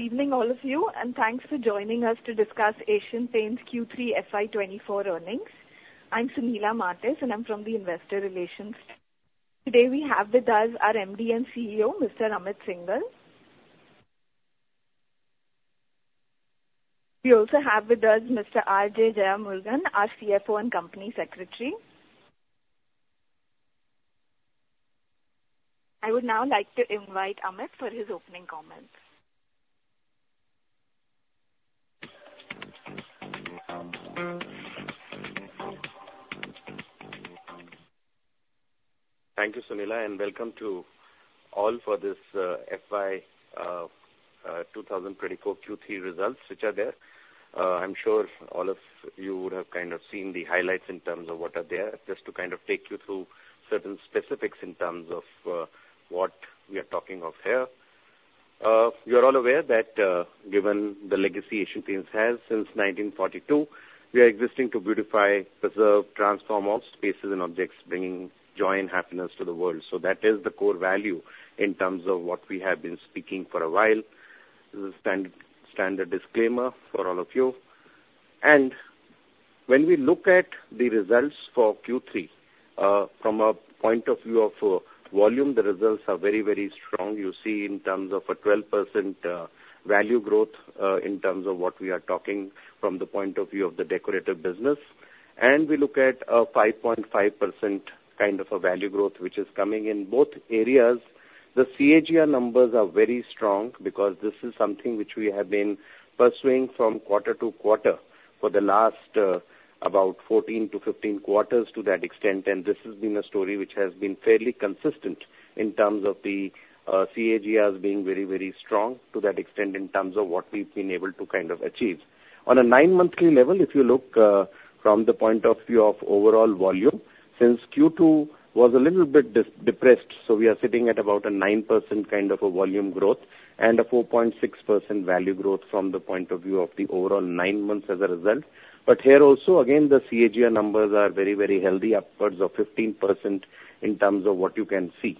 Good evening, all of you, and thanks for joining us to discuss Asian Paints' Q3 FY24 earnings. I'm Sunila Martis, and I'm from the Investor Relations. Today, we have with us our MD and CEO, Mr. Amit Syngle. We also have with us Mr. R.J. Jeyamurugan, our CFO and company secretary. I would now like to invite Amit for his opening comments. Thank you, Sunila, and welcome to all for this FY 2024 Q3 results, which are there. I'm sure all of you would have kind of seen the highlights in terms of what are there. Just to kind of take you through certain specifics in terms of what we are talking of here. You are all aware that, given the legacy Asian Paints has since 1942, we are existing to beautify, preserve, transform all spaces and objects, bringing joy and happiness to the world. So that is the core value in terms of what we have been speaking for a while. This is a standard disclaimer for all of you. When we look at the results for Q3, from a point of view of volume, the results are very, very strong. You see, in terms of a 12%, value growth, in terms of what we are talking from the point of view of the decorative business. And we look at a 5.5% kind of a value growth, which is coming in both areas. The CAGR numbers are very strong because this is something which we have been pursuing from quarter to quarter for the last, about 14-15 quarters, to that extent, and this has been a story which has been fairly consistent in terms of the, CAGRs being very, very strong to that extent in terms of what we've been able to kind of achieve. On a nine-monthly level, if you look, from the point of view of overall volume, since Q2 was a little bit depressed, so we are sitting at about a 9% kind of a volume growth and a 4.6% value growth from the point of view of the overall nine months as a result. But here also, again, the CAGR numbers are very, very healthy, upwards of 15% in terms of what you can see.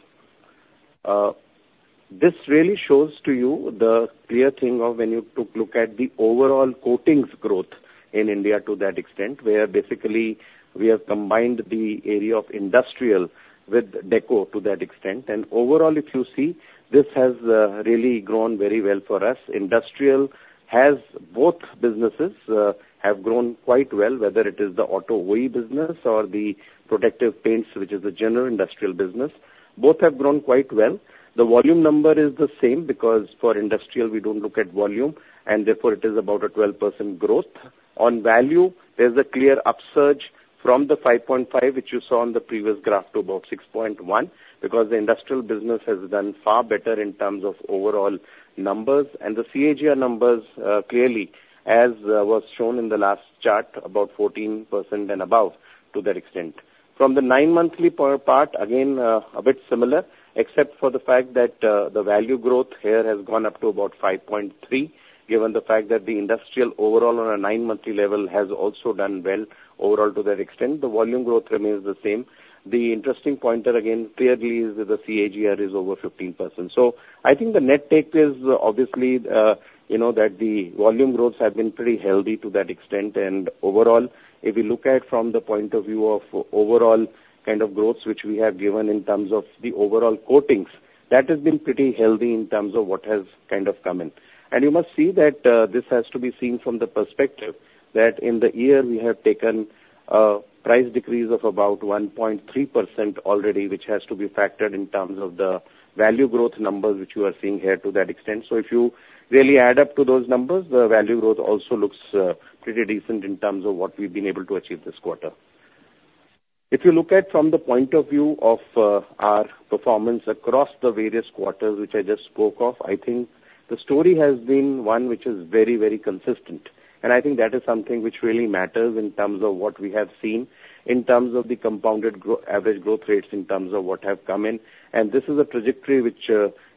This really shows to you the clear thing of when you took look at the overall coatings growth in India to that extent, where basically we have combined the area of industrial with deco to that extent. Overall, if you see, this has really grown very well for us. Industrial has both businesses, have grown quite well, whether it is the Auto OE business or the protective paints, which is a general industrial business. Both have grown quite well. The volume number is the same because for industrial, we don't look at volume, and therefore it is about a 12% growth. On value, there's a clear upsurge from the 5.5, which you saw on the previous graph, to about 6.1, because the industrial business has done far better in terms of overall numbers. And the CAGR numbers, clearly, as was shown in the last chart, about 14% and above to that extent. From the nine-monthly per part, again, a bit similar, except for the fact that, the value growth here has gone up to about 5.3, given the fact that the industrial overall on a nine-monthly level has also done well overall to that extent. The volume growth remains the same. The interesting pointer, again, clearly, is that the CAGR is over 15%. So I think the net take is obviously, you know, that the volume growths have been pretty healthy to that extent. And overall, if you look at from the point of view of overall kind of growth, which we have given in terms of the overall coatings, that has been pretty healthy in terms of what has kind of come in. And you must see that, this has to be seen from the perspective that in the year we have taken a price decrease of about 1.3% already, which has to be factored in terms of the value growth numbers, which you are seeing here to that extent. So if you really add up to those numbers, the value growth also looks pretty decent in terms of what we've been able to achieve this quarter. If you look at from the point of view of our performance across the various quarters, which I just spoke of, I think the story has been one which is very, very consistent. And I think that is something which really matters in terms of what we have seen, in terms of the compounded average growth rates, in terms of what have come in. This is a trajectory which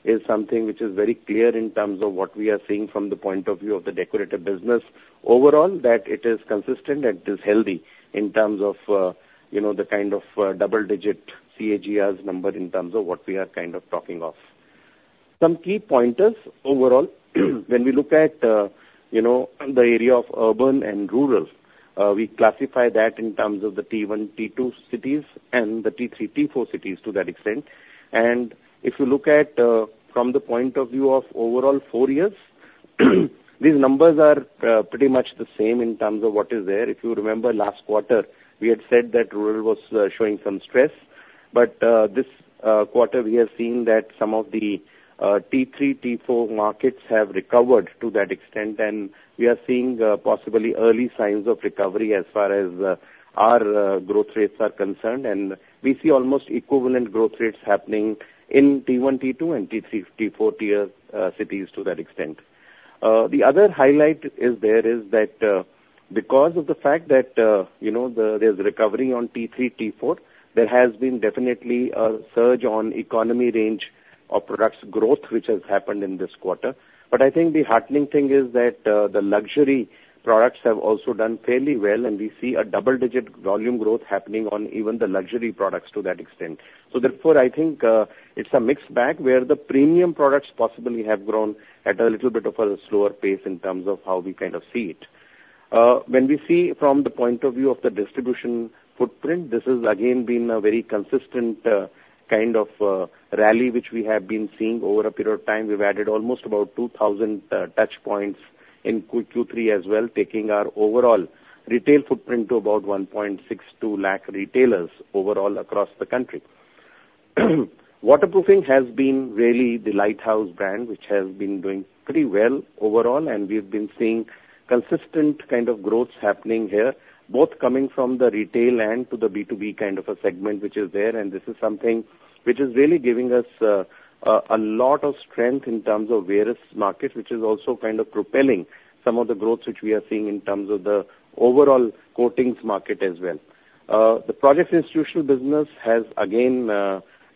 is something which is very clear in terms of what we are seeing from the point of view of the decorative business. Overall, that it is consistent and it is healthy in terms of, you know, the kind of double-digit CAGRs number in terms of what we are kind of talking of. Some key pointers overall, when we look at the area of urban and rural, we classify that in terms of the T1, T2 cities and the T3, T4 cities to that extent. And if you look at from the point of view of overall 4 years, these numbers are pretty much the same in terms of what is there. If you remember last quarter, we had said that rural was showing some stress, but this quarter, we are seeing that some of the T3, T4 markets have recovered to that extent, and we are seeing possibly early signs of recovery as far as our growth rates are concerned. We see almost equivalent growth rates happening in T1, T2, and T3, T4 tier cities to that extent. The other highlight is there is that because of the fact that you know there's recovery on T3, T4, there has been definitely a surge on economy range of products growth, which has happened in this quarter. But I think the heartening thing is that, the luxury products have also done fairly well, and we see a double-digit volume growth happening on even the luxury products to that extent. So therefore, I think, it's a mixed bag, where the premium products possibly have grown at a little bit of a slower pace in terms of how we kind of see it. When we see from the point of view of the distribution footprint, this has again been a very consistent, kind of, rally, which we have been seeing over a period of time. We've added almost about 2,000 touch points in Q3 as well, taking our overall retail footprint to about 162,000 retailers overall across the country. Waterproofing has been really the lighthouse brand, which has been doing pretty well overall, and we've been seeing consistent kind of growth happening here, both coming from the retail and to the B2B kind of a segment, which is there. This is something which is really giving us a lot of strength in terms of various markets, which is also kind of propelling some of the growth which we are seeing in terms of the overall coatings market as well. The projects institutional business has again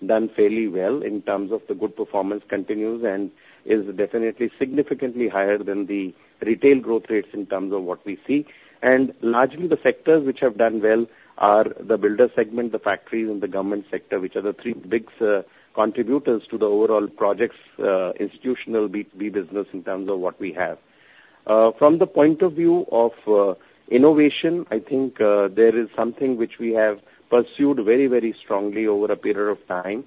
done fairly well in terms of the good performance continues and is definitely significantly higher than the retail growth rates in terms of what we see. And largely, the sectors which have done well are the builder segment, the factories, and the government sector, which are the three big contributors to the overall projects, institutional B2B business in terms of what we have. From the point of view of innovation, I think, there is something which we have pursued very, very strongly over a period of time.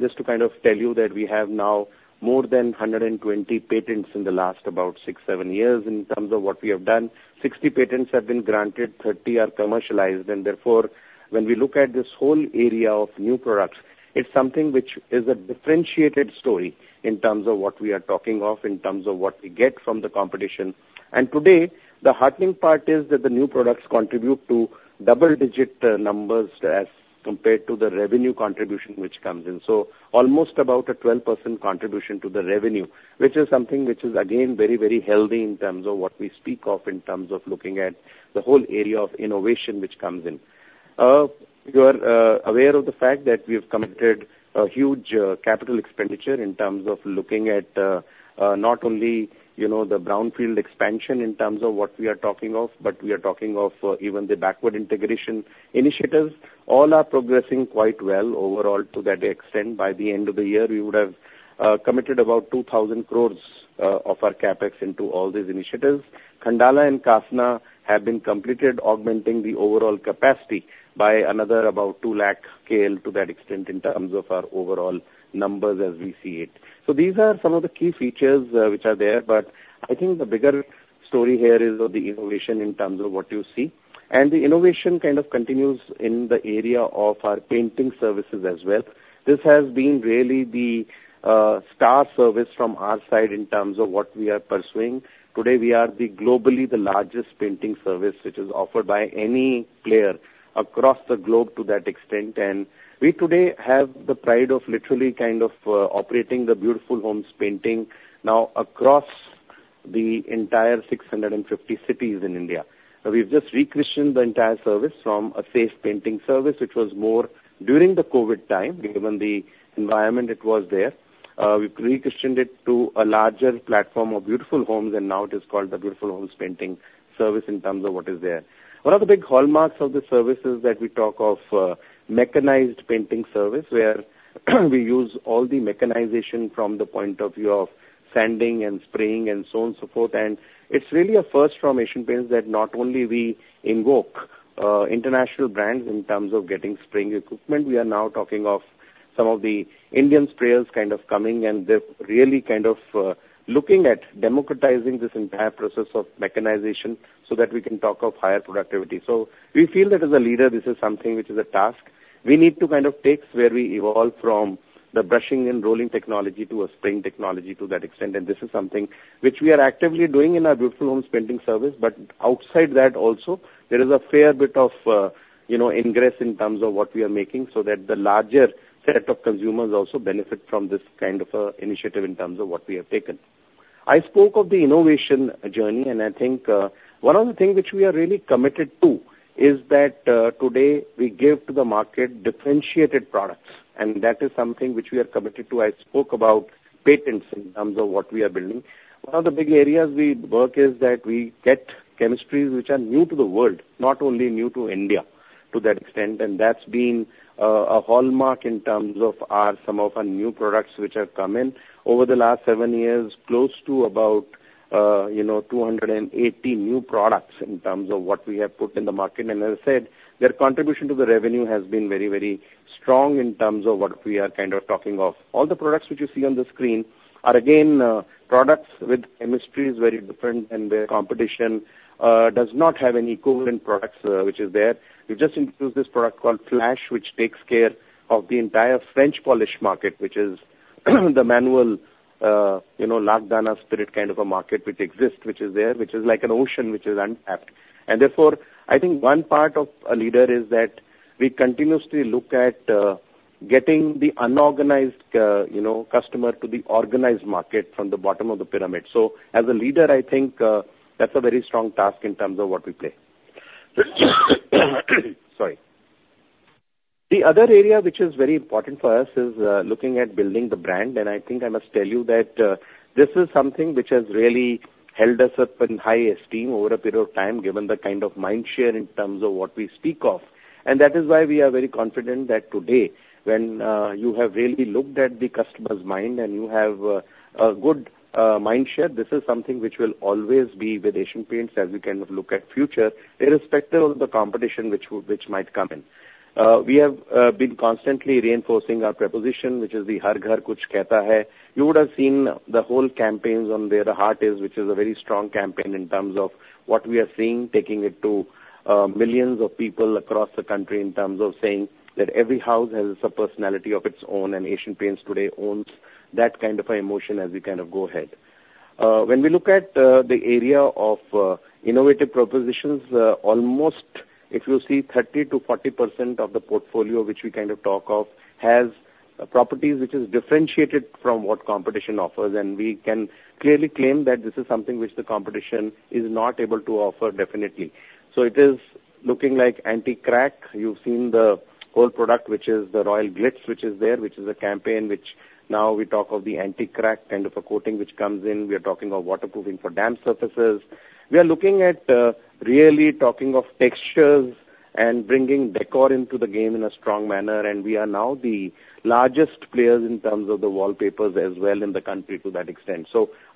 Just to kind of tell you that we have now more than 120 patents in the last about 6-7 years in terms of what we have done. 60 patents have been granted, 30 are commercialized, and therefore, when we look at this whole area of new products, it's something which is a differentiated story in terms of what we are talking of, in terms of what we get from the competition. Today, the heartening part is that the new products contribute to double-digit numbers as compared to the revenue contribution which comes in. So almost about a 12% contribution to the revenue, which is something which is again, very, very healthy in terms of what we speak of, in terms of looking at the whole area of innovation which comes in. You are aware of the fact that we have committed a huge capital expenditure in terms of looking at not only, you know, the brownfield expansion in terms of what we are talking of, but we are talking of even the backward integration initiatives. All are progressing quite well overall to that extent. By the end of the year, we would have committed about 2,000 crore of our CapEx into all these initiatives. Khandala and Kasna have been completed, augmenting the overall capacity by another about 200,000 scale to that extent in terms of our overall numbers as we see it. These are some of the key features which are there, but I think the bigger story here is of the innovation in terms of what you see. And the innovation kind of continues in the area of our painting services as well. This has been really the star service from our side in terms of what we are pursuing. Today, we are the globally the largest painting service, which is offered by any player across the globe to that extent, and we today have the pride of literally kind of operating the Beautiful Homes Painting now across the entire 650 cities in India. We've just re-christened the entire service from a Safe Painting Service, which was more during the COVID time, given the environment that was there. We've re-christened it to a larger platform of Beautiful Homes, and now it is called the Beautiful Homes Painting Service in terms of what is there. One of the big hallmarks of the services that we talk of, mechanized painting service, where we use all the mechanization from the point of view of sanding and spraying and so on, so forth. And it's really a first from Asian Paints that not only we invoke, international brands in terms of getting spraying equipment, we are now talking of some of the Indian sprayers kind of coming, and they're really kind of, looking at democratizing this entire process of mechanization so that we can talk of higher productivity. So we feel that as a leader, this is something which is a task. We need to kind of take where we evolve from the brushing and rolling technology to a spraying technology to that extent. And this is something which we are actively doing in our Beautiful Homes Painting Service. But outside that also, there is a fair bit of, you know, ingress in terms of what we are making, so that the larger set of consumers also benefit from this kind of, initiative in terms of what we have taken. I spoke of the innovation journey, and I think, one of the things which we are really committed to is that, today, we give to the market differentiated products, and that is something which we are committed to. I spoke about patents in terms of what we are building. One of the big areas we work is that we get chemistries which are new to the world, not only new to India, to that extent. And that's been a hallmark in terms of our, some of our new products, which have come in over the last seven years, close to about, you know, 280 new products in terms of what we have put in the market. And as I said, their contribution to the revenue has been very, very strong in terms of what we are kind of talking of. All the products which you see on the screen are again products with chemistries, very different, and the competition does not have any equivalent products, which is there. We've just introduced this product called Flash, which takes care of the entire French polish market, which is the manual, you know, lakdana spirit kind of a market, which exists, which is there, which is like an ocean, which is untapped. And therefore, I think one part of a leader is that we continuously look at getting the unorganized, you know, customer to the organized market from the bottom of the pyramid. So as a leader, I think that's a very strong task in terms of what we play. Sorry.... The other area which is very important for us is looking at building the brand. And I think I must tell you that this is something which has really held us up in high esteem over a period of time, given the kind of mind share in terms of what we speak of. That is why we are very confident that today, when you have really looked at the customer's mind and you have a good mind share, this is something which will always be with Asian Paints as we kind of look at future, irrespective of the competition which might come in. We have been constantly reinforcing our position, which is the Har Ghar Kuch Kehta Hai. You would have seen the whole campaigns on Where the Heart Is, which is a very strong campaign in terms of what we are seeing, taking it to millions of people across the country in terms of saying that every house has a personality of its own, and Asian Paints today owns that kind of an emotion as we kind of go ahead. When we look at the area of innovative propositions, almost, if you see, 30%-40% of the portfolio, which we kind of talk of, has properties which is differentiated from what competition offers, and we can clearly claim that this is something which the competition is not able to offer, definitely. So it is looking like anti-crack. You've seen the whole product, which is the Royal Glitz, which is there, which is a campaign which now we talk of the anti-crack, kind of, a coating which comes in. We are talking of waterproofing for damp surfaces. We are looking at really talking of textures and bringing décor into the game in a strong manner, and we are now the largest players in terms of the wallpapers as well in the country to that extent.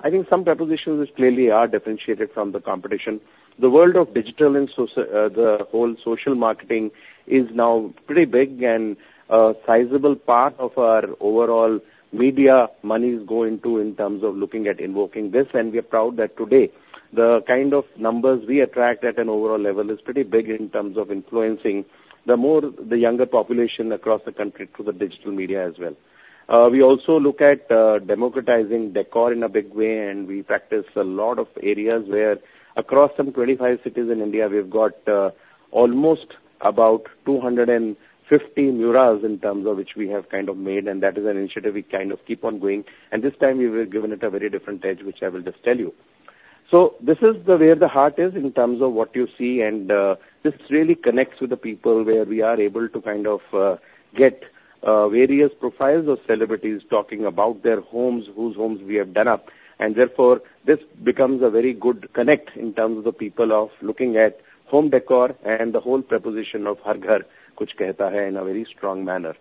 I think some propositions which clearly are differentiated from the competition. The world of digital and social, the whole social marketing is now pretty big and a sizable part of our overall media money is going to in terms of looking at invoking this. And we are proud that today, the kind of numbers we attract at an overall level is pretty big in terms of influencing the more, the younger population across the country through the digital media as well. We also look at democratizing décor in a big way, and we practice a lot of areas where across some 25 cities in India, we've got almost about 250 murals in terms of which we have kind of made, and that is an initiative we kind of keep on going, and this time we've given it a very different edge, which I will just tell you. So this is the where the heart is in terms of what you see, and this really connects with the people where we are able to kind of get various profiles of celebrities talking about their homes, whose homes we have done up. And therefore, this becomes a very good connect in terms of the people of looking at home decor and the whole proposition of Har Ghar Kuch Kehta Hai in a very strong manner.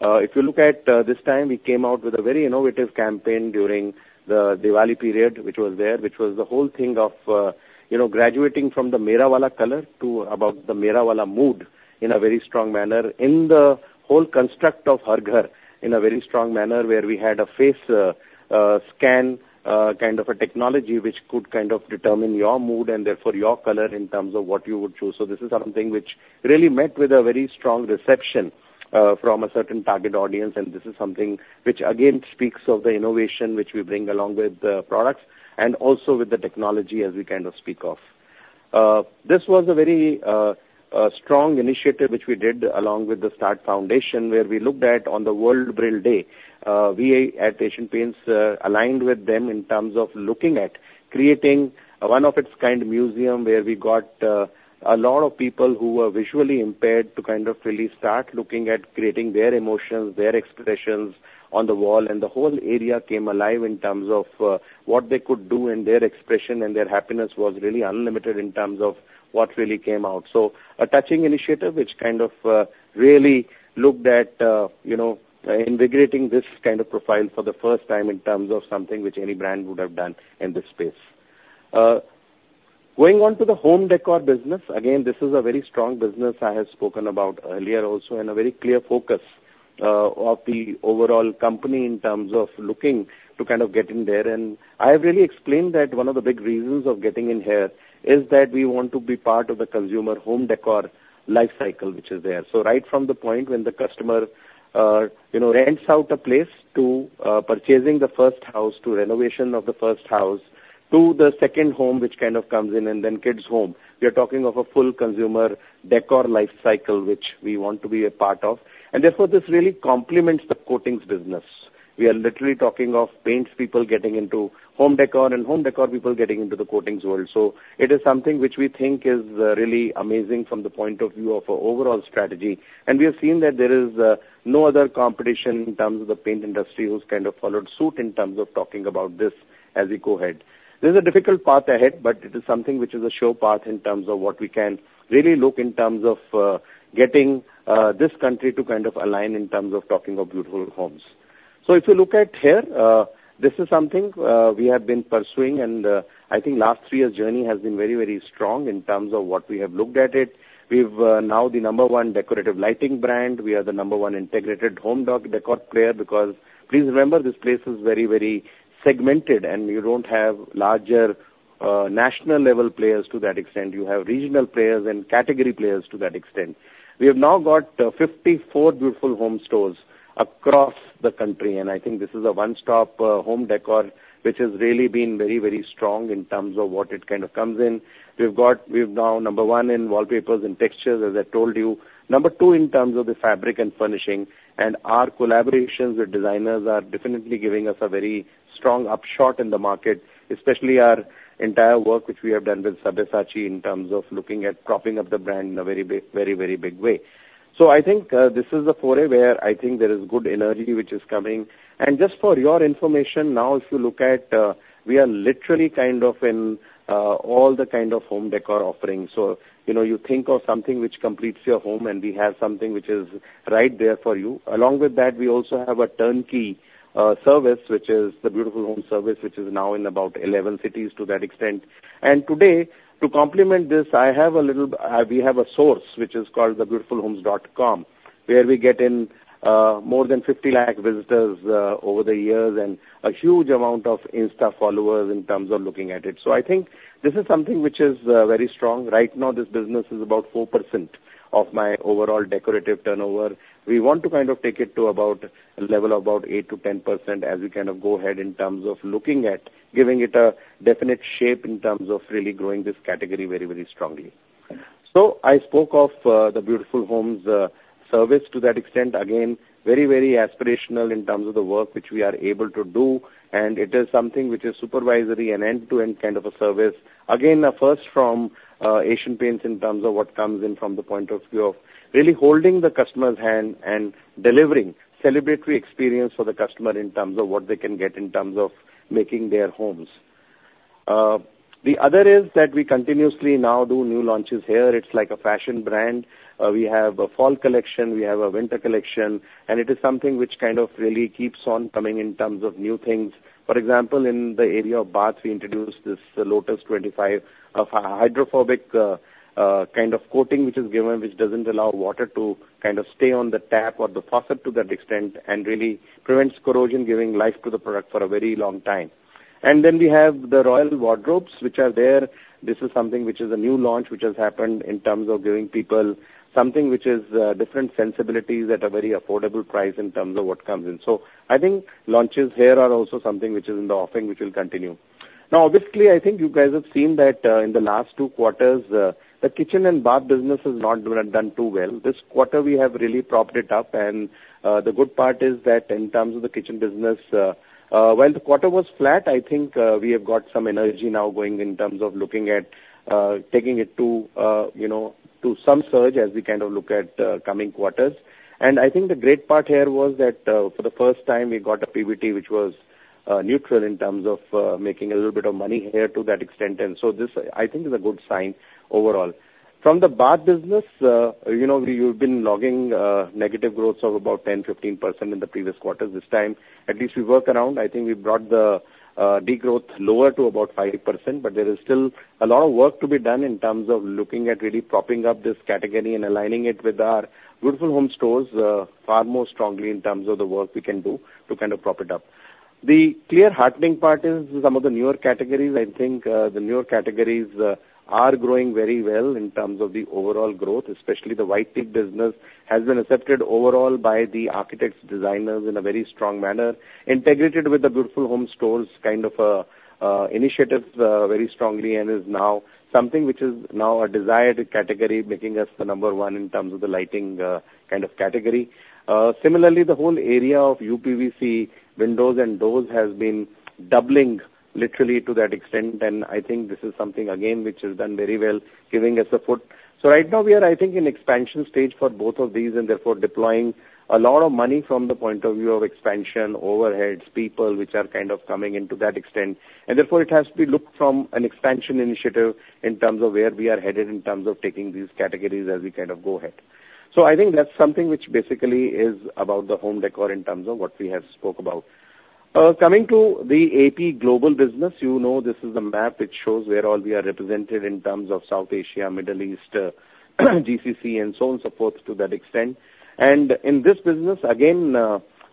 If you look at this time, we came out with a very innovative campaign during the Diwali period, which was there, which was the whole thing of, you know, graduating from the Mera Wala color to about the Mera Wala mood in a very strong manner, in the whole construct of Har Ghar in a very strong manner, where we had a face scan kind of a technology which could kind of determine your mood and therefore your color in terms of what you would choose. So this is something which really met with a very strong reception from a certain target audience, and this is something which again speaks of the innovation which we bring along with the products and also with the technology as we kind of speak of. This was a very strong initiative which we did along with the St+art Foundation, where we looked at on the World Braille Day, we at Asian Paints aligned with them in terms of looking at creating a one of its kind museum, where we got a lot of people who were visually impaired to kind of really start looking at creating their emotions, their expressions on the wall. And the whole area came alive in terms of what they could do, and their expression and their happiness was really unlimited in terms of what really came out. So a touching initiative which kind of really looked at, you know, invigorating this kind of profile for the first time in terms of something which any brand would have done in this space. Going on to the home decor business, again, this is a very strong business I have spoken about earlier also, and a very clear focus of the overall company in terms of looking to kind of get in there. And I have really explained that one of the big reasons of getting in here is that we want to be part of the consumer home decor life cycle, which is there. So right from the point when the customer, you know, rents out a place, to purchasing the first house, to renovation of the first house, to the second home, which kind of comes in, and then kids' home. We are talking of a full consumer décor life cycle, which we want to be a part of, and therefore, this really complements the coatings business. We are literally talking of paints people getting into home décor and home décor people getting into the coatings world. So it is something which we think is, really amazing from the point of view of our overall strategy. And we have seen that there is, no other competition in terms of the paint industry who's kind of followed suit in terms of talking about this as we go ahead. This is a difficult path ahead, but it is something which is a sure path in terms of what we can really look in terms of, getting, this country to kind of align in terms of talking of Beautiful Homes. So if you look at here, this is something we have been pursuing, and I think last three years' journey has been very, very strong in terms of what we have looked at it. We've now the number one decorative lighting brand. We are the number one integrated home décor player, because please remember, this place is very, very segmented and you don't have larger national level players to that extent. You have regional players and category players to that extent. We have now got 54 Beautiful Homes stores across the country, and I think this is a one-stop home décor, which has really been very, very strong in terms of what it kind of comes in. We're now number one in wallpapers and textures, as I told you. Number two, in terms of the fabric and furnishing, and our collaborations with designers are definitely giving us a very strong upshot in the market, especially our entire work, which we have done with Sabyasachi, in terms of looking at propping up the brand in a very big, very, very big way. So I think, this is a foray where I think there is good energy which is coming. And just for your information, now, if you look at, we are literally kind of in, all the kind of home decor offerings. So, you know, you think of something which completes your home, and we have something which is right there for you. Along with that, we also have a turnkey, service, which is the Beautiful Homes service, which is now in about 11 cities to that extent. Today, to complement this, I have a little, we have a source, which is called the BeautifulHomes.com, where we get in, more than 50 lakh visitors, over the years, and a huge amount of Insta followers in terms of looking at it. So I think this is something which is, very strong. Right now, this business is about 4% of my overall decorative turnover. We want to kind of take it to about a level of about 8%-10%, as we kind of go ahead in terms of looking at giving it a definite shape in terms of really growing this category very, very strongly. So I spoke of, the Beautiful Homes, service to that extent. Again, very, very aspirational in terms of the work which we are able to do, and it is something which is supervisory and end-to-end kind of a service. Again, a first from Asian Paints in terms of what comes in from the point of view of really holding the customer's hand and delivering celebratory experience for the customer in terms of what they can get in terms of making their homes. The other is that we continuously now do new launches here. It's like a fashion brand. We have a fall collection, we have a winter collection, and it is something which kind of really keeps on coming in terms of new things. For example, in the area of baths, we introduced this Lotus 25, of a hydrophobic, kind of coating, which is given, which doesn't allow water to kind of stay on the tap or the faucet to that extent, and really prevents corrosion, giving life to the product for a very long time. And then we have the Royale Wardrobes, which are there. This is something which is a new launch, which has happened in terms of giving people something which is, different sensibilities at a very affordable price in terms of what comes in. So I think launches here are also something which is in the offing, which will continue. Now, obviously, I think you guys have seen that, in the last two quarters, the kitchen and bath business has not done too well. This quarter, we have really propped it up, and, the good part is that in terms of the kitchen business, well, the quarter was flat. I think, we have got some energy now going in terms of looking at, taking it to, you know, to some surge as we kind of look at, coming quarters. And I think the great part here was that, for the first time, we got a PBT, which was, neutral in terms of, making a little bit of money here to that extent. And so this, I think, is a good sign overall. From the bath business, you know, we've been logging, negative growths of about 10%-15% in the previous quarters. This time, at least we work around. I think we brought the degrowth lower to about 5%, but there is still a lot of work to be done in terms of looking at really propping up this category and aligning it with our Beautiful Homes stores far more strongly in terms of the work we can do to kind of prop it up. The clear heartening part is some of the newer categories. I think the newer categories are growing very well in terms of the overall growth, especially the White Teak business has been accepted overall by the architects, designers in a very strong manner, integrated with the Beautiful Homes stores kind of initiatives very strongly, and is now something which is now a desired category, making us the number one in terms of the lighting kind of category. Similarly, the whole area of uPVC windows and doors has been doubling literally to that extent, and I think this is something again, which has done very well, giving us a foot. So right now we are, I think, in expansion stage for both of these, and therefore deploying a lot of money from the point of view of expansion, overheads, people, which are kind of coming into that extent. And therefore, it has to be looked from an expansion initiative in terms of where we are headed, in terms of taking these categories as we kind of go ahead. So I think that's something which basically is about the home decor in terms of what we have spoke about. Coming to the AP global business, you know, this is the map which shows where all we are represented in terms of South Asia, Middle East, GCC and so on, so forth to that extent. And in this business, again,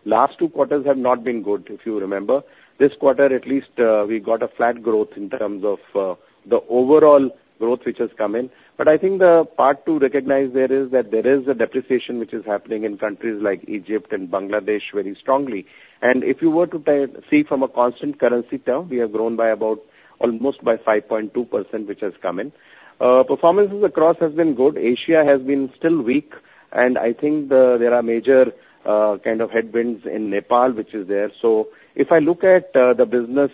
last two quarters have not been good, if you remember. This quarter, at least, we got a flat growth in terms of the overall growth which has come in. But I think the part to recognize there is that there is a depreciation which is happening in countries like Egypt and Bangladesh very strongly. And if you were to see from a constant currency term, we have grown by about almost by 5.2%, which has come in. Performances across has been good. Asia has been still weak, and I think there are major kind of headwinds in Nepal, which is there. So if I look at the business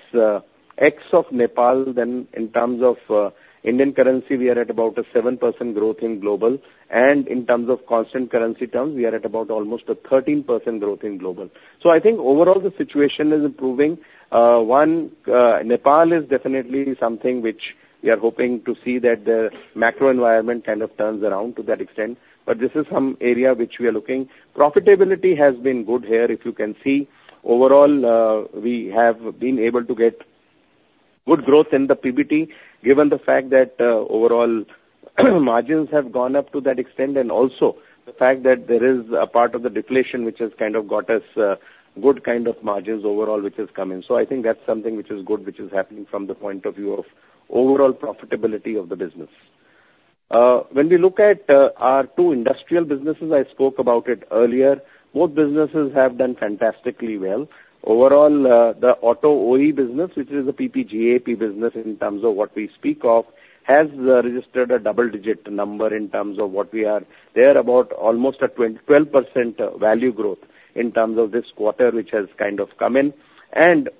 ex of Nepal, then in terms of Indian currency, we are at about a 7% growth in global, and in terms of constant currency terms, we are at about almost a 13% growth in global. So I think overall the situation is improving. One, Nepal is definitely something which we are hoping to see, that the macro environment kind of turns around to that extent. But this is some area which we are looking. Profitability has been good here. If you can see, overall, we have been able to get good growth in the PBT, given the fact that, overall, margins have gone up to that extent, and also the fact that there is a part of the deflation, which has kind of got us, good kind of margins overall, which has come in. So I think that's something which is good, which is happening from the point of view of overall profitability of the business.... When we look at, our two industrial businesses, I spoke about it earlier, both businesses have done fantastically well. Overall, the Auto OE business, which is a PPG AP business in terms of what we speak of, has, registered a double digit number in terms of what we are. They are about almost a 12% value growth in terms of this quarter, which has kind of come in.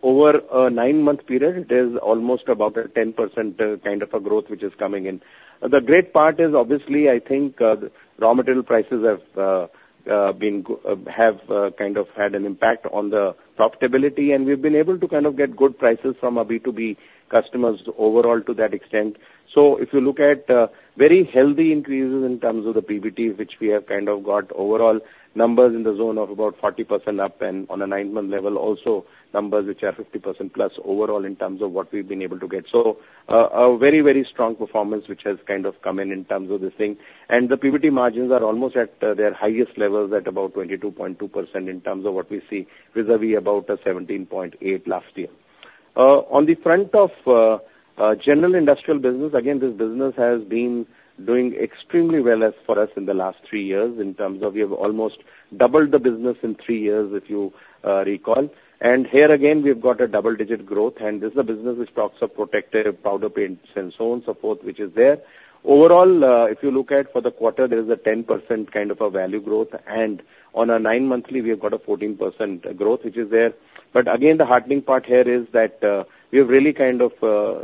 Over a nine-month period, it is almost about a 10%, kind of a growth which is coming in. The great part is obviously, I think, the raw material prices have kind of had an impact on the profitability, and we've been able to kind of get good prices from our B2B customers overall to that extent. So if you look at very healthy increases in terms of the PBT, which we have kind of got overall numbers in the zone of about 40% up, and on a nine-month level, also numbers which are 50% plus overall in terms of what we've been able to get. So, a very, very strong performance, which has kind of come in, in terms of this thing. And the PBT margins are almost at their highest levels at about 22.2% in terms of what we see, vis-à-vis about a 17.8 last year. On the front of general industrial business, again, this business has been doing extremely well as for us in the last three years, in terms of we have almost doubled the business in three years, if you recall. And here again, we've got a double-digit growth, and this is a business which talks of protective powder paints and so on, so forth, which is there. Overall, if you look at for the quarter, there is a 10% kind of a value growth, and on a nine-monthly, we have got a 14% growth, which is there. But again, the heartening part here is that, we have really kind of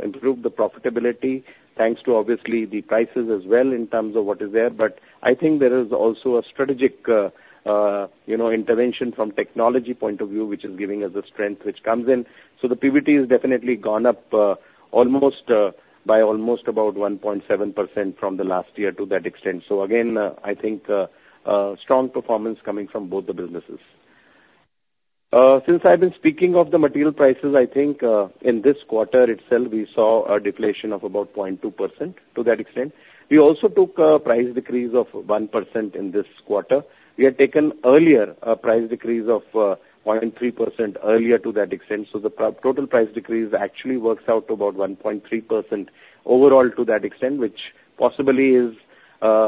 improved the profitability, thanks to obviously the prices as well in terms of what is there. But I think there is also a strategic, you know, intervention from technology point of view, which is giving us the strength which comes in. So the PBT has definitely gone up, almost, by almost about 1.7% from the last year to that extent. So again, I think, a strong performance coming from both the businesses. Since I've been speaking of the material prices, I think, in this quarter itself, we saw a deflation of about 0.2%, to that extent. We also took a price decrease of 1% in this quarter. We had taken earlier a price decrease of point three percent earlier to that extent. So the total price decrease actually works out to about 1.3% overall to that extent, which possibly is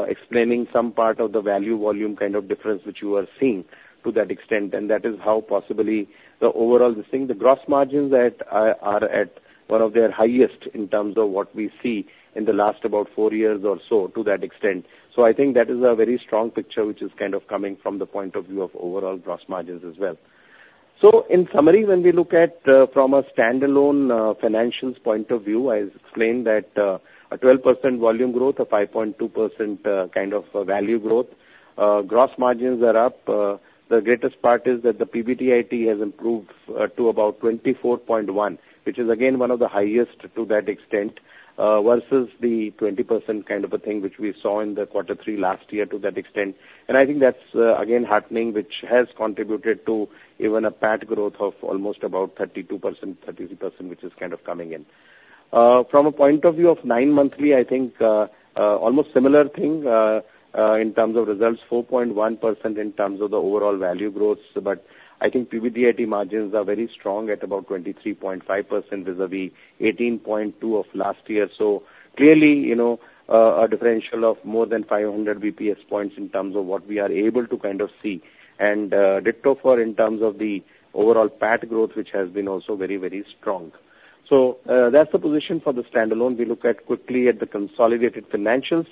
explaining some part of the value volume kind of difference, which you are seeing to that extent. And that is how possibly the overall this thing, the gross margins that are are at one of their highest in terms of what we see in the last about four years or so to that extent. So I think that is a very strong picture, which is kind of coming from the point of view of overall gross margins as well. So in summary, when we look at, from a standalone, financials point of view, I explained that, a 12% volume growth, a 5.2%, kind of value growth, gross margins are up. The greatest part is that the PBDIT has improved, to about 24.1%, which is again, one of the highest to that extent, versus the 20% kind of a thing, which we saw in the quarter three last year to that extent. And I think that's, again, heartening, which has contributed to even a PAT growth of almost about 32%, 33%, which is kind of coming in. From a point of view of 9 monthly, I think, almost similar thing, in terms of results, 4.1% in terms of the overall value growth. But I think PBDIT margins are very strong at about 23.5%, vis-à-vis 18.2% of last year. So clearly, you know, a differential of more than 500 basis points in terms of what we are able to kind of see. And, ditto for in terms of the overall PAT growth, which has been also very, very strong. So, that's the position for the standalone. We look quickly at the consolidated financials.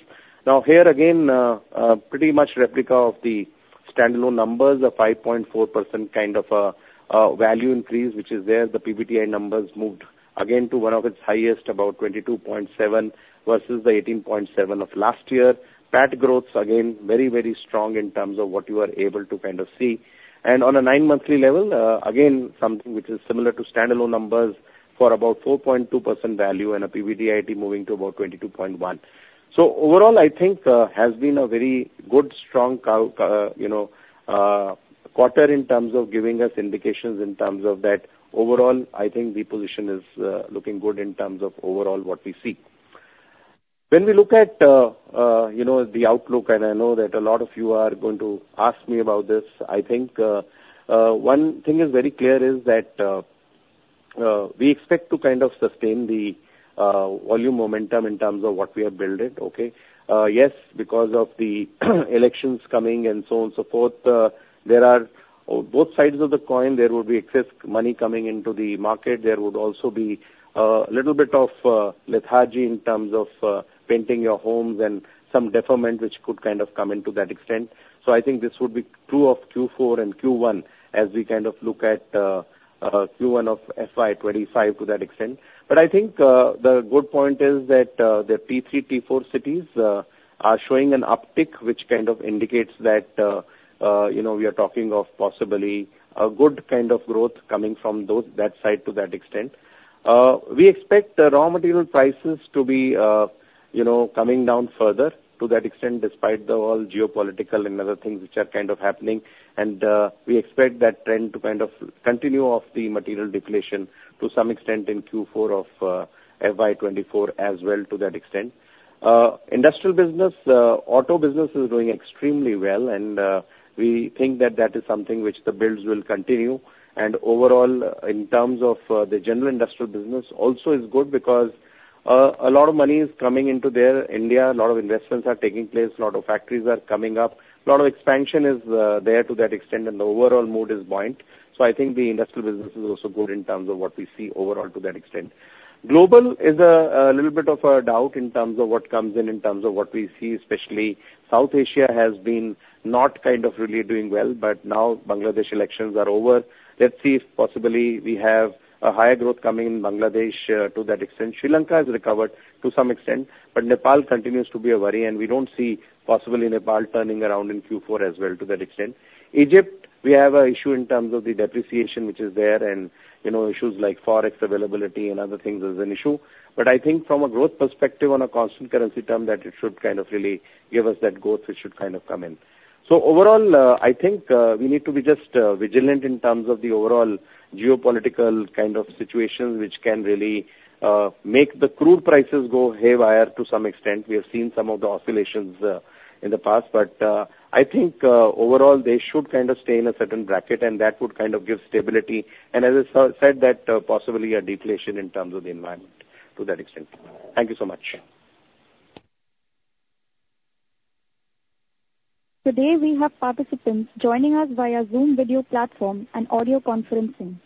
Now, here again, pretty much replica of the standalone numbers, a 5.4% kind of value increase, which is there. The PBDIT numbers moved again to one of its highest, about 22.7 versus the 18.7 of last year. PAT growth, again, very, very strong in terms of what you are able to kind of see. On a nine monthly level, again, something which is similar to standalone numbers for about 4.2% value and a PBDIT moving to about 22.1. So overall, I think, has been a very good, strong, you know, quarter in terms of giving us indications in terms of that. Overall, I think the position is, looking good in terms of overall what we see. When we look at, you know, the outlook, and I know that a lot of you are going to ask me about this, I think, one thing is very clear, is that, we expect to kind of sustain the, volume momentum in terms of what we have built it, okay? Yes, because of the elections coming and so on, so forth, there are both sides of the coin. There would also be, little bit of, lethargy in terms of, painting your homes and some deferment, which could kind of come into that extent. So I think this would be true of Q4 and Q1 as we kind of look at, Q1 of FY 25 to that extent. But I think, the good point is that, the T3, T4 cities, are showing an uptick, which kind of indicates that, you know, we are talking of possibly a good kind of growth coming from that side to that extent. We expect the raw material prices to be, you know, coming down further to that extent, despite the whole geopolitical and other things which are kind of happening. And, we expect that trend to kind of continue off the material deflation to some extent in Q4 of, FY 2024 as well, to that extent. Industrial business, auto business is doing extremely well, and, we think that that is something which the builds will continue. Overall, in terms of the general industrial business also is good because a lot of money is coming into there, India, a lot of investments are taking place, a lot of factories are coming up. A lot of expansion is there to that extent, and the overall mood is buoyant. So I think the industrial business is also good in terms of what we see overall to that extent. Global is a little bit of a doubt in terms of what comes in, in terms of what we see, especially South Asia has been not kind of really doing well, but now Bangladesh elections are over. Let's see if possibly we have a higher growth coming in Bangladesh, to that extent. Sri Lanka has recovered to some extent, but Nepal continues to be a worry, and we don't see possibly Nepal turning around in Q4 as well to that extent. Egypt, we have an issue in terms of the depreciation, which is there, and, you know, issues like Forex availability and other things is an issue. But I think from a growth perspective on a constant currency term, that it should kind of really give us that growth, which should kind of come in. So overall, I think, we need to be just, vigilant in terms of the overall geopolitical kind of situations, which can really, make the crude prices go haywire to some extent. We have seen some of the oscillations in the past, but I think overall, they should kind of stay in a certain bracket, and that would kind of give stability, and as I said, that possibly a deflation in terms of the environment to that extent. Thank you so much. Today, we have participants joining us via Zoom video platform and audio conferencing.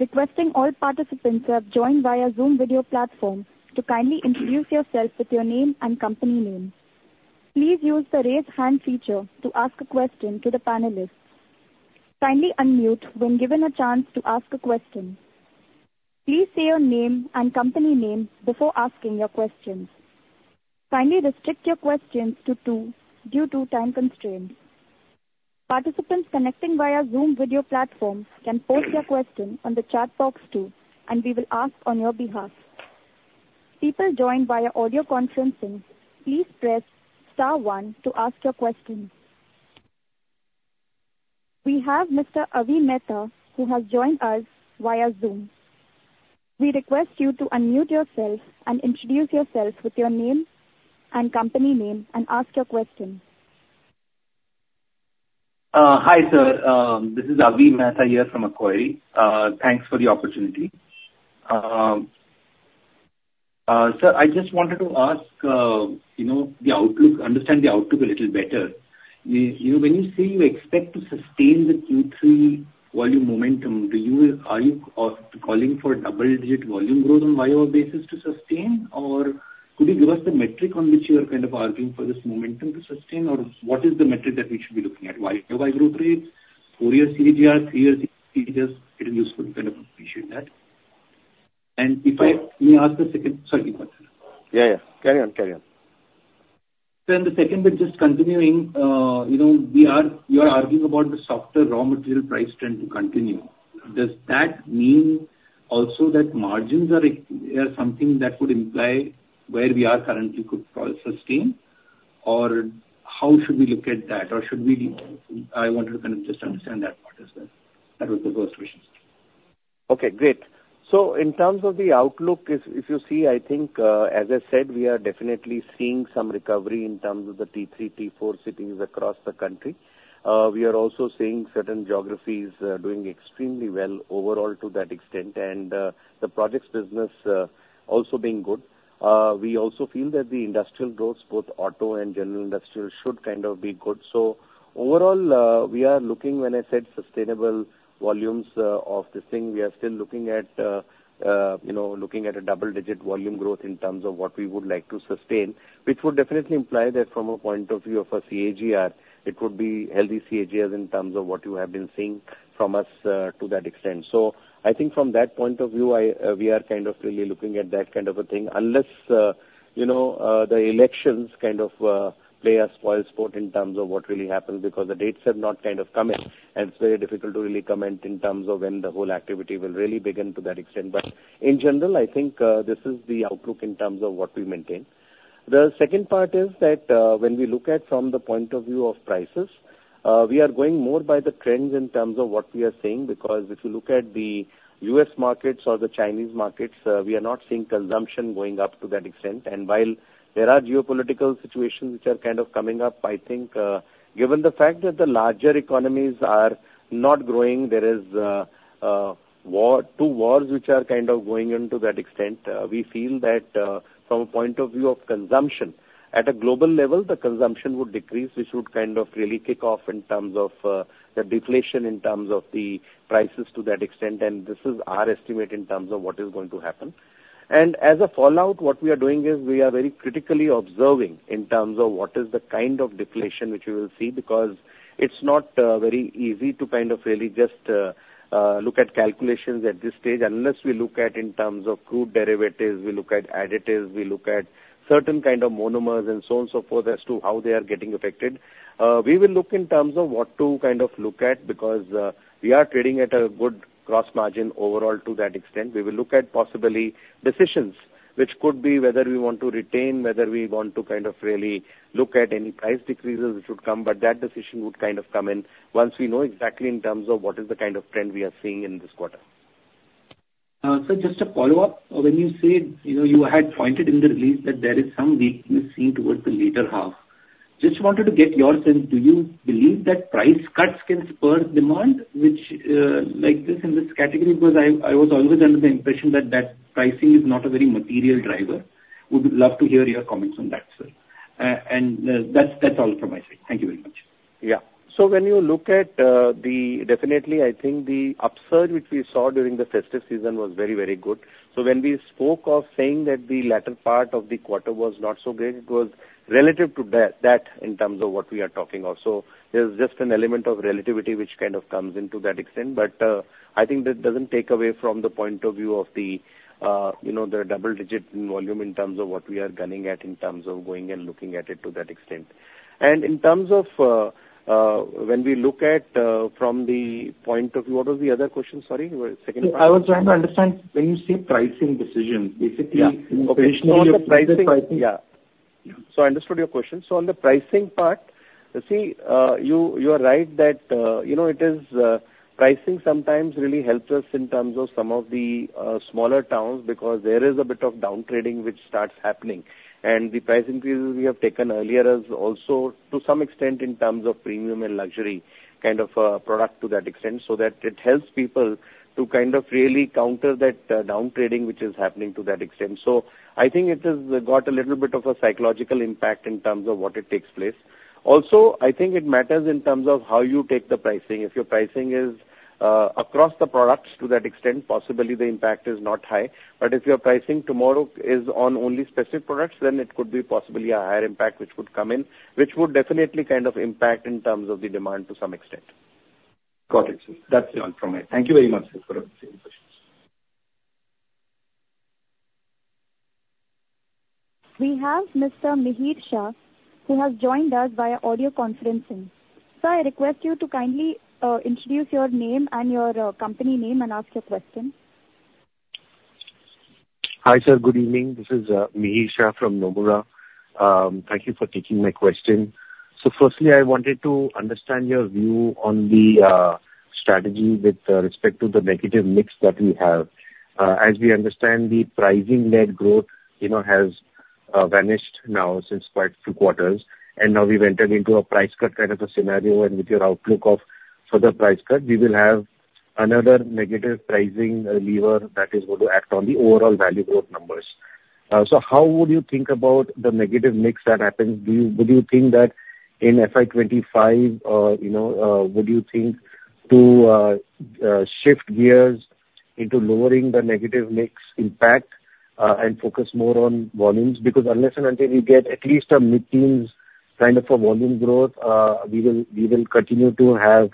Requesting all participants who have joined via Zoom video platform to kindly introduce yourself with your name and company name. Please use the Raise Hand feature to ask a question to the panelists. Kindly unmute when given a chance to ask a question. Please say your name and company name before asking your questions. Kindly restrict your questions to two due to time constraints. Participants connecting via Zoom video platform can post your question on the chat box, too, and we will ask on your behalf. People joined via audio conferencing, please press star one to ask your questions. We have Mr. Avi Mehta, who has joined us via Zoom. We request you to unmute yourself and introduce yourself with your name and company name and ask your question. Hi, sir. This is Avi Mehta here from Macquarie. Thanks for the opportunity. Sir, I just wanted to ask, you know, the outlook, understand the outlook a little better. You know, when you say you expect to sustain the Q3 volume momentum, do you, are you calling for a double-digit volume growth on YoY basis to sustain? Or could you give us the metric on which you are kind of arguing for this momentum to sustain? Or what is the metric that we should be looking at, YoY growth rates, 4-year CAGR, 3-year CAGR? It is useful to kind of appreciate that. And if I may ask a second... Sorry, one second. Yeah, yeah. Carry on, carry on. So in the second bit, just continuing, you know, you are arguing about the softer raw material price trend to continue. Does that mean also that margins are something that would imply where we are currently could probably sustain? Or how should we look at that? Or should we... I wanted to kind of just understand that part as well. That was the first question. Okay, great. So in terms of the outlook, if you see, I think, as I said, we are definitely seeing some recovery in terms of the T3, T4 cities across the country. We are also seeing certain geographies doing extremely well overall to that extent, and the projects business also being good. We also feel that the industrial growth, both auto and general industrial, should kind of be good. So overall, we are looking, when I said sustainable volumes of this thing, we are still looking at, you know, looking at a double-digit volume growth in terms of what we would like to sustain, which would definitely imply that from a point of view of a CAGR, it would be healthy CAGRs in terms of what you have been seeing from us, to that extent. So I think from that point of view, I, we are kind of really looking at that kind of a thing. Unless, you know, the elections kind of play a spoilsport in terms of what really happens, because the dates have not kind of come in, and it's very difficult to really comment in terms of when the whole activity will really begin to that extent. But in general, I think, this is the outlook in terms of what we maintain. The second part is that, when we look at from the point of view of prices, we are going more by the trends in terms of what we are saying, because if you look at the U.S. markets or the Chinese markets, we are not seeing consumption going up to that extent. While there are geopolitical situations which are kind of coming up, I think, given the fact that the larger economies are not growing, there is, two wars which are kind of going into that extent, we feel that, from a point of view of consumption, at a global level, the consumption would decrease, which would kind of really kick off in terms of the deflation, in terms of the prices to that extent, and this is our estimate in terms of what is going to happen. As a fallout, what we are doing is we are very critically observing in terms of what is the kind of deflation which we will see, because it's not very easy to kind of really just look at calculations at this stage. Unless we look at in terms of crude derivatives, we look at additives, we look at certain kind of monomers and so on and so forth as to how they are getting affected. We will look in terms of what to kind of look at, because, we are trading at a good cross margin overall to that extent. We will look at possibly decisions which could be whether we want to retain, whether we want to kind of really look at any price decreases which would come, but that decision would kind of come in once we know exactly in terms of what is the kind of trend we are seeing in this quarter. So just a follow-up. When you said, you know, you had pointed in the release that there is some weakness seen towards the latter half... Just wanted to get your sense, do you believe that price cuts can spur demand, which, like this in this category? Because I was always under the impression that that pricing is not a very material driver. Would love to hear your comments on that, sir. And that's all from my side. Thank you very much. Yeah. So when you look at the definitely, I think the upsurge which we saw during the festive season was very, very good. So when we spoke of saying that the latter part of the quarter was not so great, it was relative to that, that in terms of what we are talking of. So there's just an element of relativity which kind of comes into that extent. But, I think that doesn't take away from the point of view of the, you know, the double digit volume in terms of what we are gunning at, in terms of going and looking at it to that extent. And in terms of, when we look at, from the point of view... What was the other question, sorry? The second one. I was trying to understand, when you say pricing decision, basically- Yeah. traditionally- On the pricing, yeah. So I understood your question. So on the pricing part, see, you are right that, you know, it is pricing sometimes really helps us in terms of some of the smaller towns, because there is a bit of down trading which starts happening. And the price increases we have taken earlier is also to some extent in terms of premium and luxury, kind of product to that extent, so that it helps people to kind of really counter that down trading, which is happening to that extent. So I think it has got a little bit of a psychological impact in terms of what it takes place. Also, I think it matters in terms of how you take the pricing. If your pricing is across the products to that extent, possibly the impact is not high. If your pricing tomorrow is on only specific products, then it could be possibly a higher impact which would come in, which would definitely kind of impact in terms of the demand to some extent. Got it, sir. That's all from me. Thank you very much, sir, for answering the questions. We have Mr. Mihir Shah, who has joined us via audio conferencing. Sir, I request you to kindly introduce your name and your company name and ask your question. Hi, sir. Good evening. This is Mihir Shah from Nomura. Thank you for taking my question. So firstly, I wanted to understand your view on the strategy with respect to the negative mix that we have. As we understand, the pricing-led growth, you know, has vanished now since quite two quarters, and now we've entered into a price cut kind of a scenario, and with your outlook of further price cut, we will have another negative pricing lever that is going to act on the overall value growth numbers. So how would you think about the negative mix that happens? Do you think that in FY 25, you know, would you think to shift gears into lowering the negative mix impact, and focus more on volumes? Because unless and until we get at least a mid-teens kind of a volume growth, we will, we will continue to have,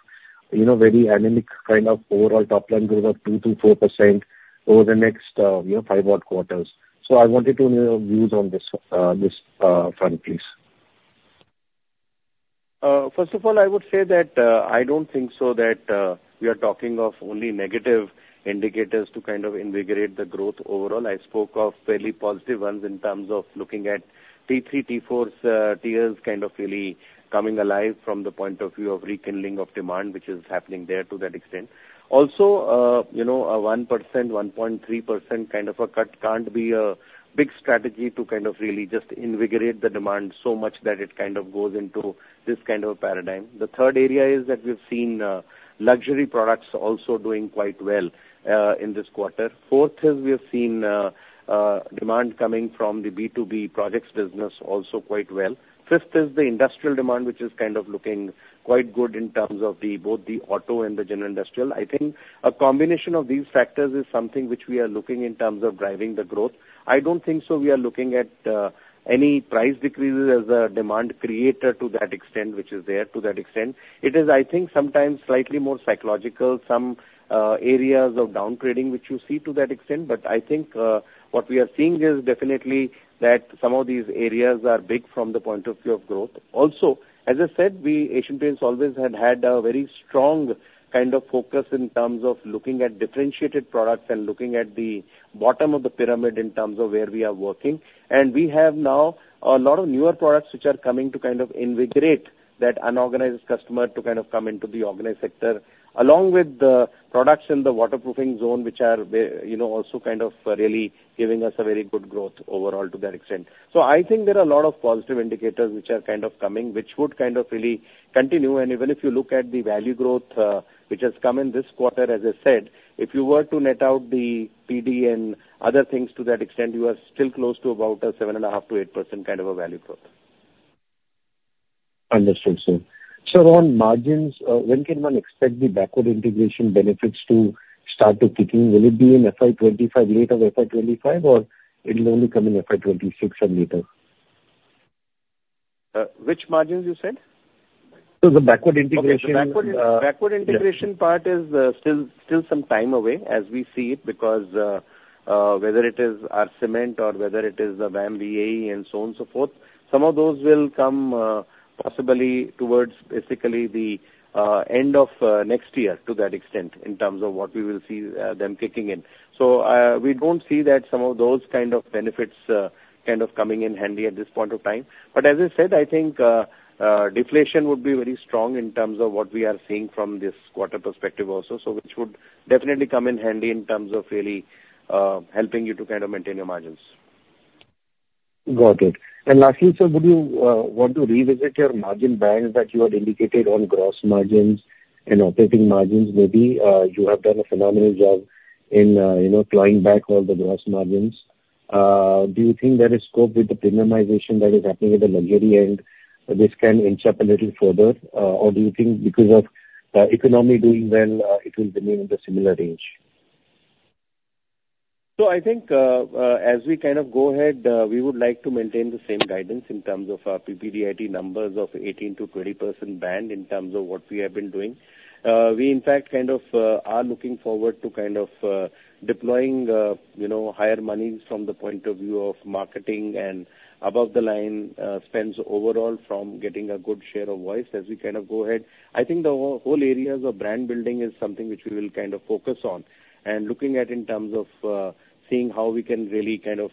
you know, very anemic kind of overall top line growth of 2%-4% over the next, you know, five odd quarters. So I wanted to know your views on this, this, front, please. First of all, I would say that, I don't think so, that, we are talking of only negative indicators to kind of invigorate the growth overall. I spoke of fairly positive ones in terms of looking at T3, T4 tiers, kind of really coming alive from the point of view of rekindling of demand, which is happening there to that extent. Also, you know, a 1%, 1.3% kind of a cut can't be a big strategy to kind of really just invigorate the demand so much that it kind of goes into this kind of a paradigm. The third area is that we've seen, luxury products also doing quite well, in this quarter. Fourth is we have seen, demand coming from the B2B projects business also quite well. Fifth is the industrial demand, which is kind of looking quite good in terms of the, both the auto and the general industrial. I think a combination of these factors is something which we are looking in terms of driving the growth. I don't think so we are looking at any price decreases as a demand creator to that extent, which is there to that extent. It is, I think, sometimes slightly more psychological, some areas of down trading which you see to that extent. But I think what we are seeing is definitely that some of these areas are big from the point of view of growth. Also, as I said, we, Asian Paints always had had a very strong kind of focus in terms of looking at differentiated products and looking at the bottom of the pyramid in terms of where we are working. We have now a lot of newer products which are coming to kind of invigorate that unorganized customer to kind of come into the organized sector, along with the products in the waterproofing zone, which are, you know, also kind of really giving us a very good growth overall to that extent. So I think there are a lot of positive indicators which are kind of coming, which would kind of really continue. Even if you look at the value growth, which has come in this quarter, as I said, if you were to net out the PD and other things to that extent, you are still close to about a 7.5%-8% kind of a value growth. Understood, sir. So on margins, when can one expect the backward integration benefits to start to kicking? Will it be in FY 2025, later FY 2025, or it will only come in FY 2026 and later? Which margins you said? The backward integration. Okay. The backward integration part- Yeah. is still some time away as we see it, because whether it is our cement or whether it is the VAM, VAE and so on, so forth, some of those will come possibly towards basically the end of next year to that extent, in terms of what we will see them kicking in. So we don't see that some of those kind of benefits kind of coming in handy at this point of time. But as I said, I think deflation would be very strong in terms of what we are seeing from this quarter perspective also, so which would definitely come in handy in terms of really helping you to kind of maintain your margins. ... Got it. And lastly, sir, would you want to revisit your margin bands that you had indicated on gross margins and operating margins maybe? You have done a phenomenal job in, you know, clawing back all the gross margins. Do you think there is scope with the premiumization that is happening at the luxury end, this can inch up a little further? Or do you think because of the economy doing well, it will remain in the similar range? I think, as we kind of go ahead, we would like to maintain the same guidance in terms of our PBDIT numbers of 18%-20% band, in terms of what we have been doing. We in fact kind of are looking forward to kind of deploying, you know, higher monies from the point of view of marketing and above the line spends overall from getting a good share of voice as we kind of go ahead. I think the whole areas of brand building is something which we will kind of focus on, and looking at in terms of seeing how we can really kind of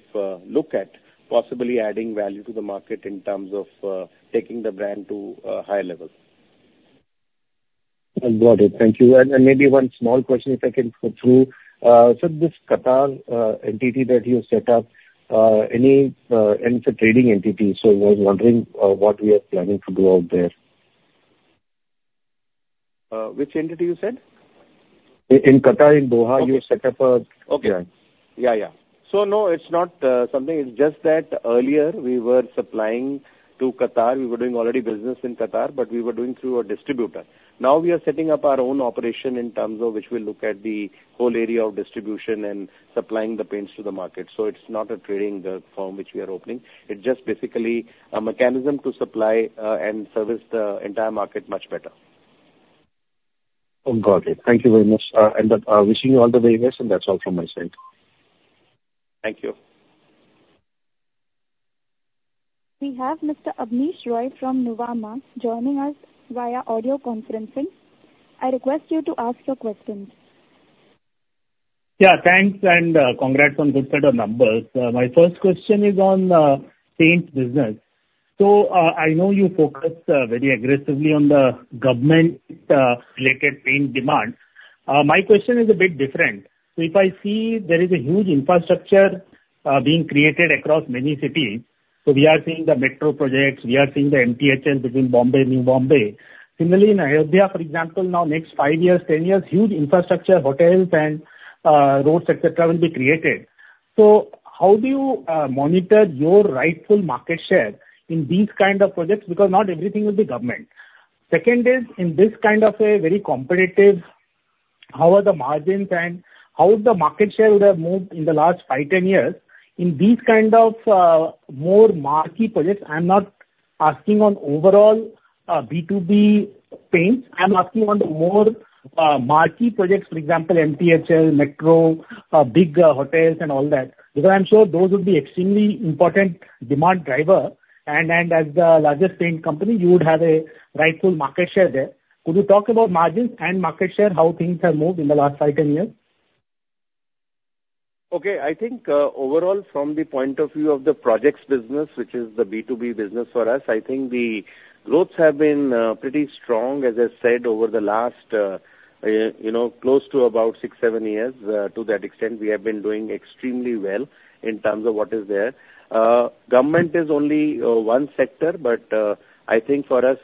look at possibly adding value to the market in terms of taking the brand to higher levels. I got it. Thank you. Maybe one small question, if I can go through. So this Qatar entity that you set up, and it's a trading entity, so I was wondering what we are planning to do out there? Which entity you said? In Qatar, in Doha, you set up a- Okay. Yeah, yeah. So no, it's not something. It's just that earlier we were supplying to Qatar. We were doing already business in Qatar, but we were doing through a distributor. Now we are setting up our own operation in terms of which we'll look at the whole area of distribution and supplying the paints to the market. So it's not a trading firm which we are opening. It's just basically a mechanism to supply and service the entire market much better. Oh, got it. Thank you very much. And, wishing you all the very best, and that's all from my side. Thank you. We have Mr. Abneesh Roy from Nuvama joining us via audio conferencing. I request you to ask your questions. Yeah, thanks, and congrats on good set of numbers. My first question is on paints business. So I know you focused very aggressively on the government related paint demand. My question is a bit different. So if I see there is a huge infrastructure being created across many cities, so we are seeing the metro projects, we are seeing the MTHL between Bombay and New Bombay. Similarly, in Ayodhya, for example, now next 5 years, 10 years, huge infrastructure, hotels and roads, et cetera, will be created. So how do you monitor your rightful market share in these kind of projects? Because not everything will be government. Second is, in this kind of a very competitive, how are the margins and how is the market share would have moved in the last 5, 10 years in these kind of, more marquee projects? I'm not asking on overall, B2B paints. I'm asking on the more, marquee projects, for example, MTHL, Metro, big, hotels and all that, because I'm sure those would be extremely important demand driver. And, and as the largest paint company, you would have a rightful market share there. Could you talk about margins and market share, how things have moved in the last 5, 10 years? Okay. I think, overall, from the point of view of the projects business, which is the B2B business for us, I think the growth have been, pretty strong, as I said, over the last, you know, close to about 6-7 years. To that extent, we have been doing extremely well in terms of what is there. Government is only, one sector, but, I think for us,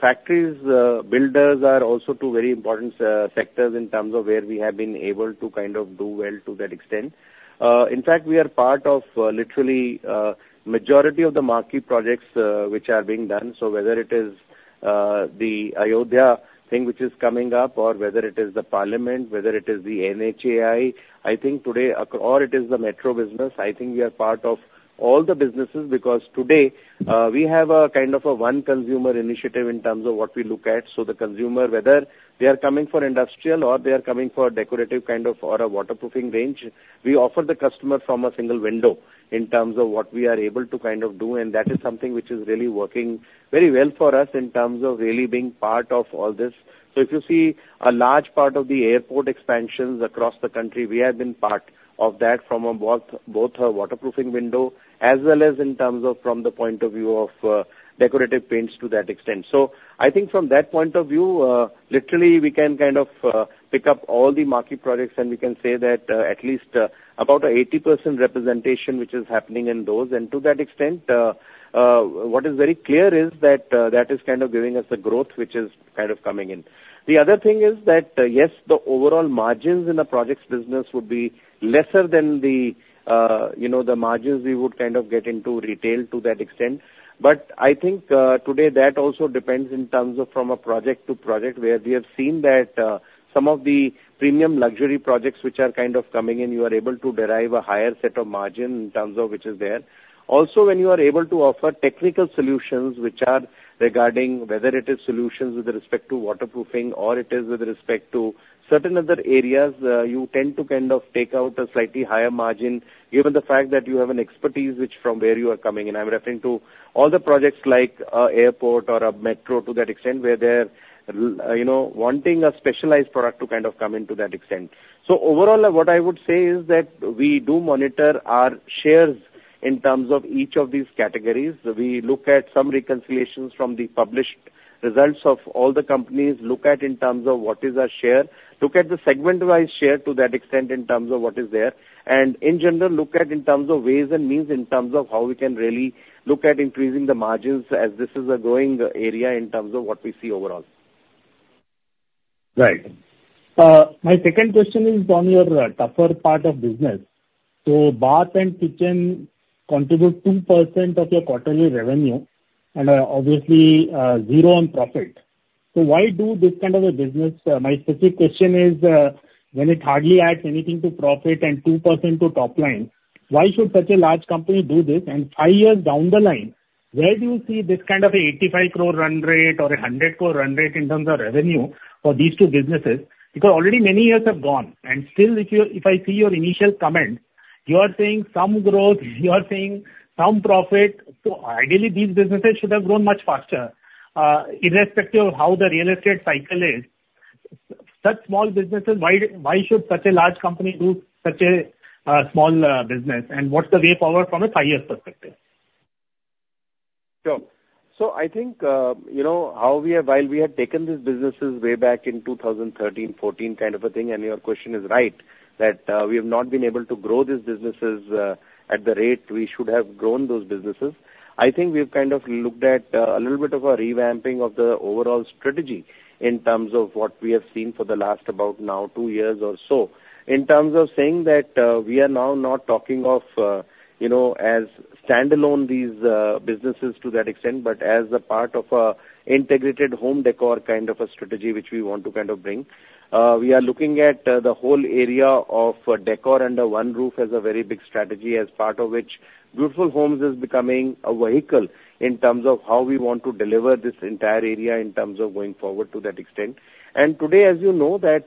factories, builders are also two very important, sectors in terms of where we have been able to kind of do well to that extent. In fact, we are part of, literally, majority of the marquee projects, which are being done. So whether it is the Ayodhya thing which is coming up or whether it is the parliament, whether it is the NHAI, I think today or it is the metro business, I think we are part of all the businesses because today we have a kind of a one consumer initiative in terms of what we look at. So the consumer, whether they are coming for industrial or they are coming for decorative kind of or a waterproofing range, we offer the customer from a single window in terms of what we are able to kind of do, and that is something which is really working very well for us in terms of really being part of all this. So if you see a large part of the airport expansions across the country, we have been part of that from a both, both a waterproofing window as well as in terms of from the point of view of, decorative paints to that extent. So I think from that point of view, literally, we can kind of, pick up all the marquee projects, and we can say that, at least, about a 80% representation which is happening in those. And to that extent, what is very clear is that, that is kind of giving us the growth which is kind of coming in. The other thing is that, yes, the overall margins in the projects business would be lesser than the, you know, the margins we would kind of get into retail to that extent. But I think, today, that also depends in terms of from a project to project, where we have seen that, some of the premium luxury projects which are kind of coming in, you are able to derive a higher set of margin in terms of which is there. Also, when you are able to offer technical solutions which are regarding whether it is solutions with respect to waterproofing or it is with respect to certain other areas, you tend to kind of take out a slightly higher margin, given the fact that you have an expertise, which from where you are coming in. I'm referring to all the projects like, airport or a metro to that extent, where they're, you know, wanting a specialized product to kind of come into that extent. So overall, what I would say is that we do monitor our shares in terms of each of these categories. We look at some reconciliations from the published results of all the companies, look at in terms of what is our share, look at the segment-wise share to that extent in terms of what is there, and in general, look at in terms of ways and means in terms of how we can really look at increasing the margins, as this is a growing area in terms of what we see overall. Right. My second question is on your tougher part of business. So bath and kitchen contribute 2% of your quarterly revenue and, obviously, zero on profit. So why do this kind of a business? My specific question is, when it hardly adds anything to profit and 2% to top line, why should such a large company do this? And 5 years down the line, where do you see this kind of a 85 crore run rate or a 100 crore run rate in terms of revenue for these two businesses? Because already many years have gone, and still, if you, if I see your initial comment, you are saying some growth, you are saying some profit. So ideally, these businesses should have grown much faster, irrespective of how the real estate cycle is. Such small businesses, why, why should such a large company do such a small business? What's the way forward from a five-year perspective? Sure. So I think, you know, how we have... While we have taken these businesses way back in 2013, 2014, kind of a thing, and your question is right, that, we have not been able to grow these businesses, at the rate we should have grown those businesses. I think we've kind of looked at, a little bit of a revamping of the overall strategy in terms of what we have seen for the last about now 2 years or so. In terms of saying that, we are now not talking of, you know, as standalone these, businesses to that extent, but as a part of a integrated home decor kind of a strategy, which we want to kind of bring. We are looking at the whole area of décor under one roof as a very big strategy, as part of which Beautiful Homes is becoming a vehicle in terms of how we want to deliver this entire area in terms of going forward to that extent. And today, as you know that,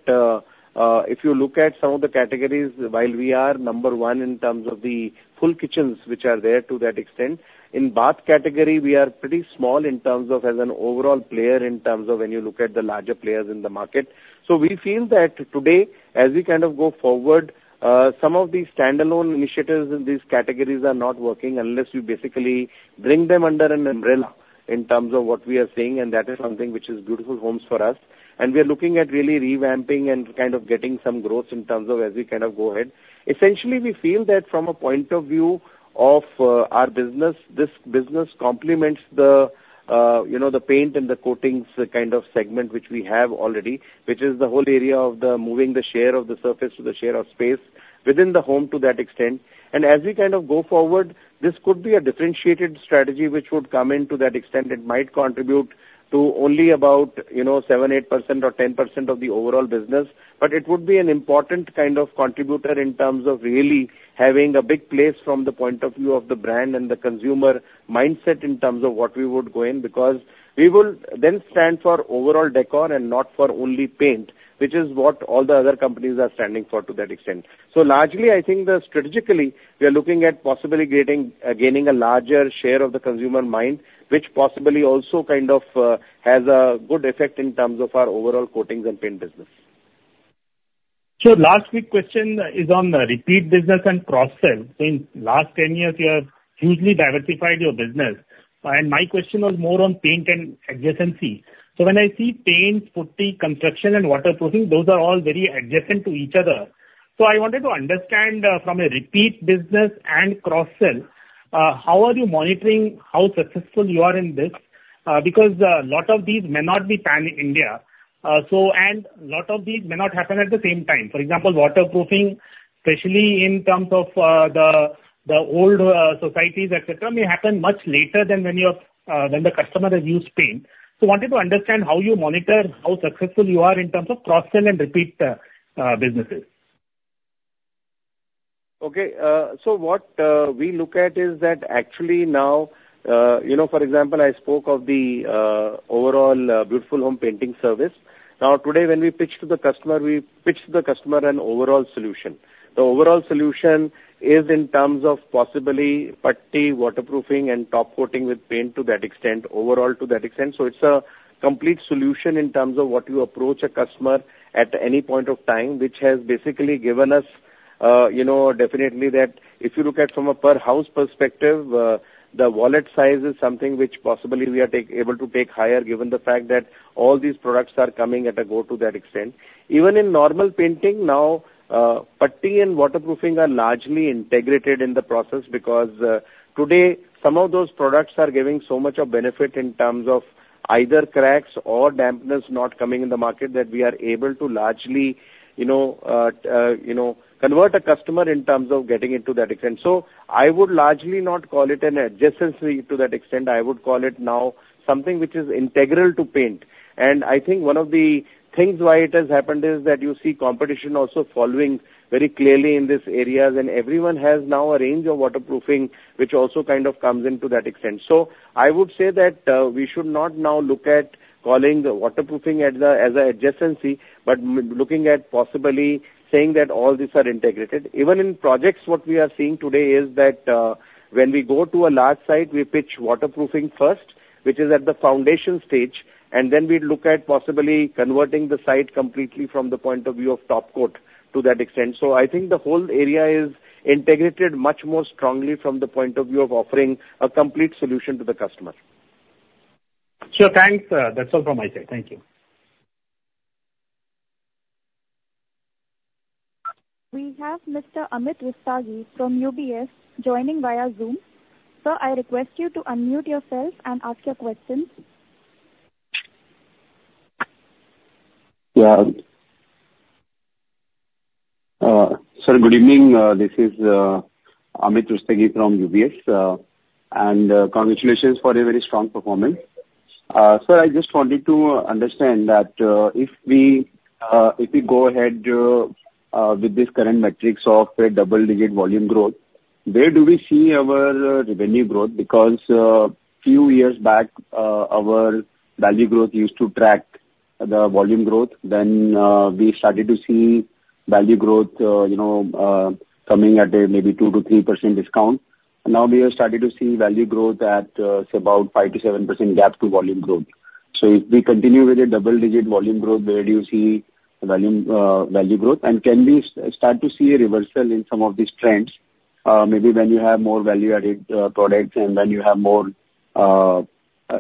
if you look at some of the categories, while we are number one in terms of the full kitchens, which are there to that extent, in bath category, we are pretty small in terms of as an overall player, in terms of when you look at the larger players in the market. So we feel that today, as we kind of go forward, some of these standalone initiatives in these categories are not working unless you basically bring them under an umbrella in terms of what we are seeing, and that is something which is Beautiful Homes for us. We are looking at really revamping and kind of getting some growth in terms of as we kind of go ahead. Essentially, we feel that from a point of view of our business, this business complements the you know the paint and the coatings kind of segment, which we have already, which is the whole area of the moving the share of the surface to the share of space within the home to that extent. As we kind of go forward, this could be a differentiated strategy which would come into that extent. It might contribute to only about, you know, 7, 8% or 10% of the overall business, but it would be an important kind of contributor in terms of really having a big place from the point of view of the brand and the consumer mindset in terms of what we would go in, because we will then stand for overall decor and not for only paint, which is what all the other companies are standing for to that extent. So largely, I think that strategically, we are looking at possibly getting, gaining a larger share of the consumer mind, which possibly also kind of, has a good effect in terms of our overall coatings and paint business. So last quick question is on the repeat business and cross-sell. So in last 10 years, you have hugely diversified your business, and my question was more on paint and adjacency. So when I see paint, putty, construction and waterproofing, those are all very adjacent to each other. So I wanted to understand, from a repeat business and cross-sell, how are you monitoring how successful you are in this? Because a lot of these may not be pan-India. So, and a lot of these may not happen at the same time. For example, waterproofing, especially in terms of, the old, societies, et cetera, may happen much later than when the customer has used paint. So wanted to understand how you monitor how successful you are in terms of cross-sell and repeat, businesses. Okay. So what we look at is that actually now, you know, for example, I spoke of the overall Beautiful Homes painting service. Now, today, when we pitch to the customer, we pitch the customer an overall solution. The overall solution is in terms of possibly putty, waterproofing, and top coating with paint to that extent, overall to that extent. So it's a complete solution in terms of what you approach a customer at any point of time, which has basically given us, you know, definitely that if you look at from a per house perspective, the wallet size is something which possibly we are able to take higher, given the fact that all these products are coming at a go to that extent. Even in normal painting now, putty and waterproofing are largely integrated in the process, because today, some of those products are giving so much of benefit in terms of either cracks or dampness not coming in the market, that we are able to largely, you know, you know, convert a customer in terms of getting into that extent. So I would largely not call it an adjacency to that extent. I would call it now something which is integral to paint. And I think one of the things why it has happened is that you see competition also following very clearly in these areas, and everyone has now a range of waterproofing, which also kind of comes into that extent. So I would say that, we should not now look at calling the waterproofing as a, as a adjacency, but looking at possibly saying that all these are integrated. Even in projects, what we are seeing today is that, when we go to a large site, we pitch waterproofing first, which is at the foundation stage, and then we look at possibly converting the site completely from the point of view of top coat to that extent. So I think the whole area is integrated much more strongly from the point of view of offering a complete solution to the customer. Sure, thanks. That's all from my side. Thank you.... We have Mr. Amit Rustagi from UBS joining via Zoom. Sir, I request you to unmute yourself and ask your questions. Yeah, sir, good evening. This is Amit Rustagi from UBS, and congratulations for a very strong performance. Sir, I just wanted to understand that if we go ahead with this current metrics of a double-digit volume growth, where do we see our revenue growth? Because few years back, our value growth used to track the volume growth. Then we started to see value growth, you know, coming at a maybe 2%-3% discount. Now we have started to see value growth at, say, about 5%-7% gap to volume growth. So if we continue with a double-digit volume growth, where do you see volume, value growth? And can we start to see a reversal in some of these trends, maybe when you have more value-added,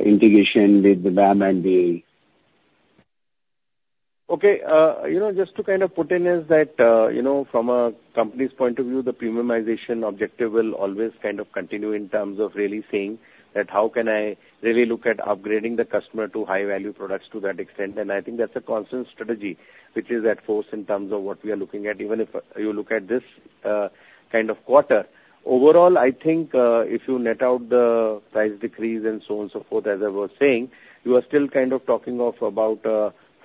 integration with the VAM and the- Okay. You know, just to kind of put in is that, you know, from a company's point of view, the premiumization objective will always kind of continue in terms of really saying that how can I really look at upgrading the customer to high value products to that extent? And I think that's a constant strategy which is at force in terms of what we are looking at, even if you look at this kind of quarter. Overall, I think, if you net out the price decrease and so on, so forth, as I was saying, you are still kind of talking of about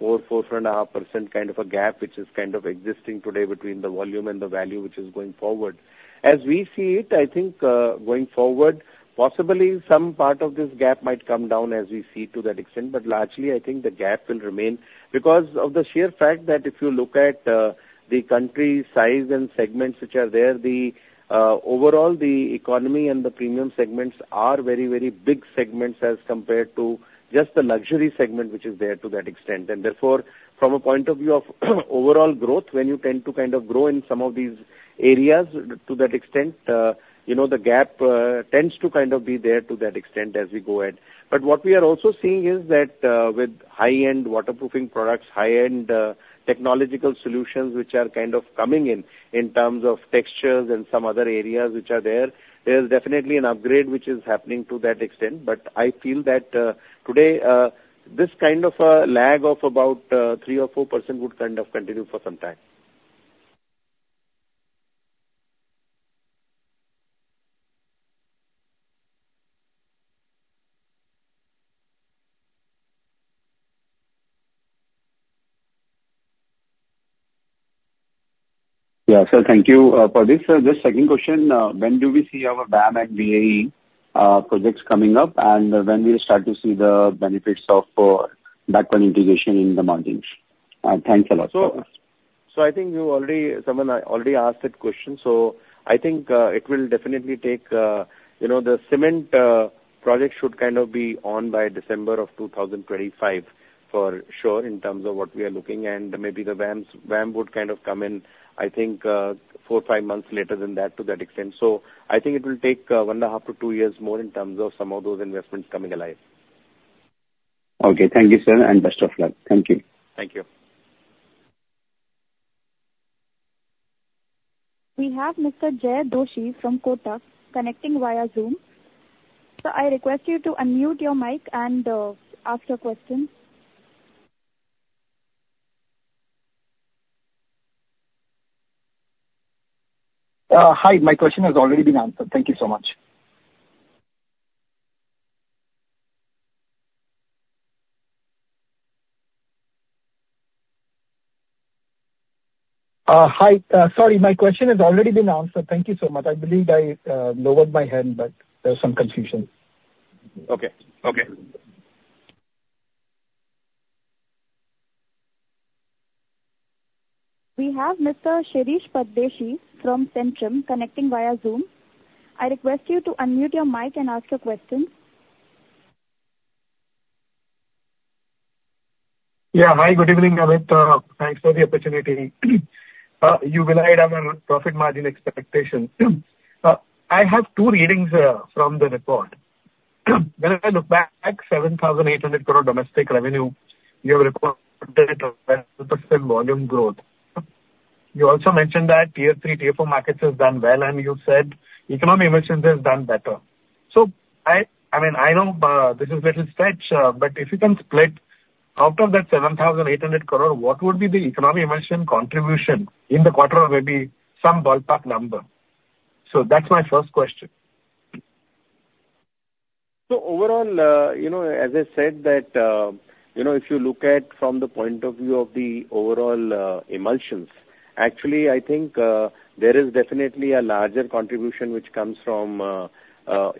4-4.5% kind of a gap, which is kind of existing today between the volume and the value, which is going forward. As we see it, I think, going forward, possibly some part of this gap might come down as we see to that extent. But largely, I think the gap will remain because of the sheer fact that if you look at the country's size and segments which are there, the overall the economy and the premium segments are very, very big segments as compared to just the luxury segment, which is there to that extent. And therefore, from a point of view of overall growth, when you tend to kind of grow in some of these areas to that extent, you know, the gap tends to kind of be there to that extent as we go ahead. But what we are also seeing is that, with high-end waterproofing products, high-end, technological solutions, which are kind of coming in, in terms of textures and some other areas which are there, there is definitely an upgrade which is happening to that extent. But I feel that, today, this kind of a lag of about 3 or 4% would kind of continue for some time. Yeah. Sir, thank you for this. Just second question. When do we see our VAM and VAE projects coming up, and when we start to see the benefits of backward integration in the margins? Thanks a lot. I think you already... Someone already asked that question, so I think it will definitely take, you know, the cement project should kind of be on by December 2025 for sure in terms of what we are looking, and maybe the VAMs, VAM would kind of come in, I think, 4-5 months later than that, to that extent. So I think it will take one and a half to two years more in terms of some of those investments coming alive. Okay. Thank you, sir, and best of luck. Thank you. Thank you. We have Mr. Jay Doshi from Kotak, connecting via Zoom. Sir, I request you to unmute your mic and ask your question. Hi. My question has already been answered. Thank you so much. Hi. Sorry, my question has already been answered. Thank you so much. I believe I lowered my hand, but there was some confusion. Okay. Okay. We have Mr. Shirish Pardeshi from Centrum connecting via Zoom. I request you to unmute your mic and ask your question. Yeah. Hi, good evening, Amit. Thanks for the opportunity. You will have a profit margin expectation. I have two readings from the report. When I look back, 7,800 crore domestic revenue, you have reported a 12% volume growth. You also mentioned that Tier 3, Tier 4 markets has done well, and you said economy emulsions has done better. So I, I mean, I know, this is a little stretch, but if you can split out of that 7,800 crore, what would be the economy emulsion contribution in the quarter, maybe some ballpark number? So that's my first question. So overall, you know, as I said, that, you know, if you look at from the point of view of the overall, emulsions, actually, I think, there is definitely a larger contribution which comes from,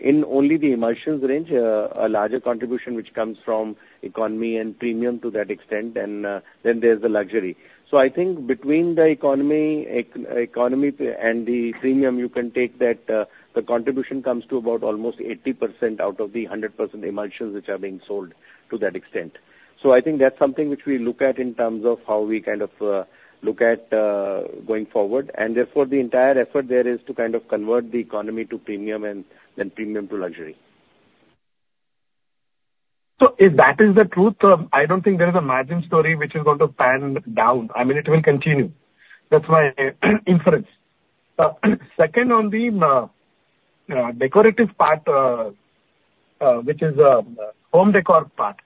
in only the emulsions range, a larger contribution which comes from economy and premium to that extent, and, then there's the luxury. So I think between the economy and the premium, you can take that, the contribution comes to about almost 80% out of the 100% emulsions, which are being sold to that extent. So I think that's something which we look at in terms of how we kind of, look at, going forward. And therefore, the entire effort there is to kind of convert the economy to premium and then premium to luxury. ...So if that is the truth, I don't think there is a margin story which is going to pan down. I mean, it will continue. That's my inference. Second, on the decorative part, which is home decor part,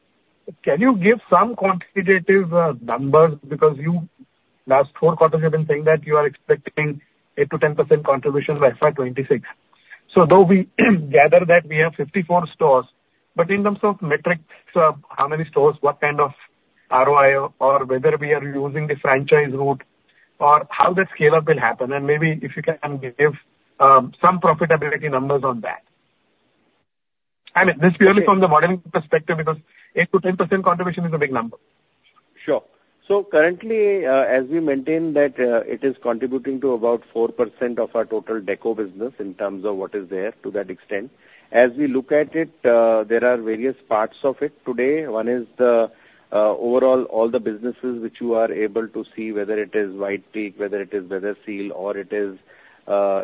can you give some quantitative numbers? Because you, last four quarters, you've been saying that you are expecting 8%-10% contribution by FY 2026. So though we gather that we have 54 stores, but in terms of metrics, how many stores, what kind of ROI or whether we are using the franchise route or how the scale-up will happen, and maybe if you can give some profitability numbers on that. I mean, this purely from the modeling perspective, because 8%-10% contribution is a big number. Sure. So currently, as we maintain that, it is contributing to about 4% of our total deco business in terms of what is there to that extent. As we look at it, there are various parts of it today. One is the overall all the businesses which you are able to see, whether it is White Teak, whether it is Weatherseal, or it is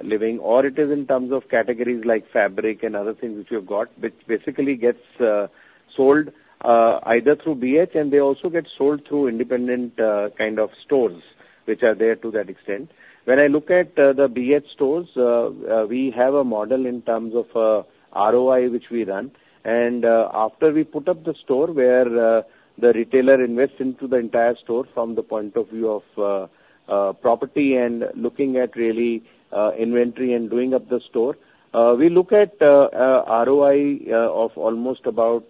living, or it is in terms of categories like fabric and other things which you've got, which basically gets sold either through BH, and they also get sold through independent kind of stores which are there to that extent. When I look at the BH stores, we have a model in terms of ROI, which we run. After we put up the store, where the retailer invests into the entire store from the point of view of property and looking at really inventory and doing up the store, we look at ROI of almost about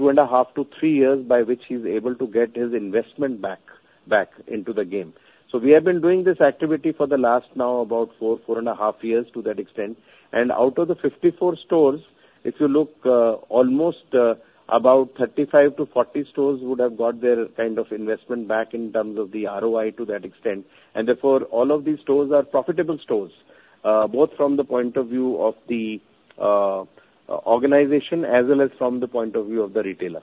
2.5-3 years by which he's able to get his investment back, back into the game. We have been doing this activity for the last now about 4-4.5 years, to that extent. Out of the 54 stores, if you look, almost about 35-40 stores would have got their kind of investment back in terms of the ROI to that extent. Therefore, all of these stores are profitable stores, both from the point of view of the organization as well as from the point of view of the retailer.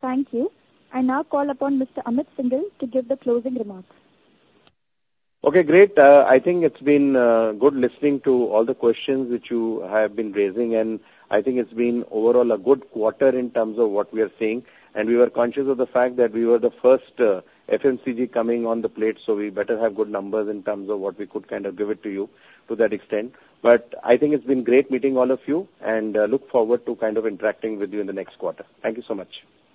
Thank you. I now call upon Mr. Amit Syngle to give the closing remarks. Okay, great. I think it's been good listening to all the questions which you have been raising, and I think it's been overall a good quarter in terms of what we are seeing. We were conscious of the fact that we were the first FMCG coming on the plate, so we better have good numbers in terms of what we could kind of give it to you to that extent. But I think it's been great meeting all of you, and look forward to kind of interacting with you in the next quarter. Thank you so much.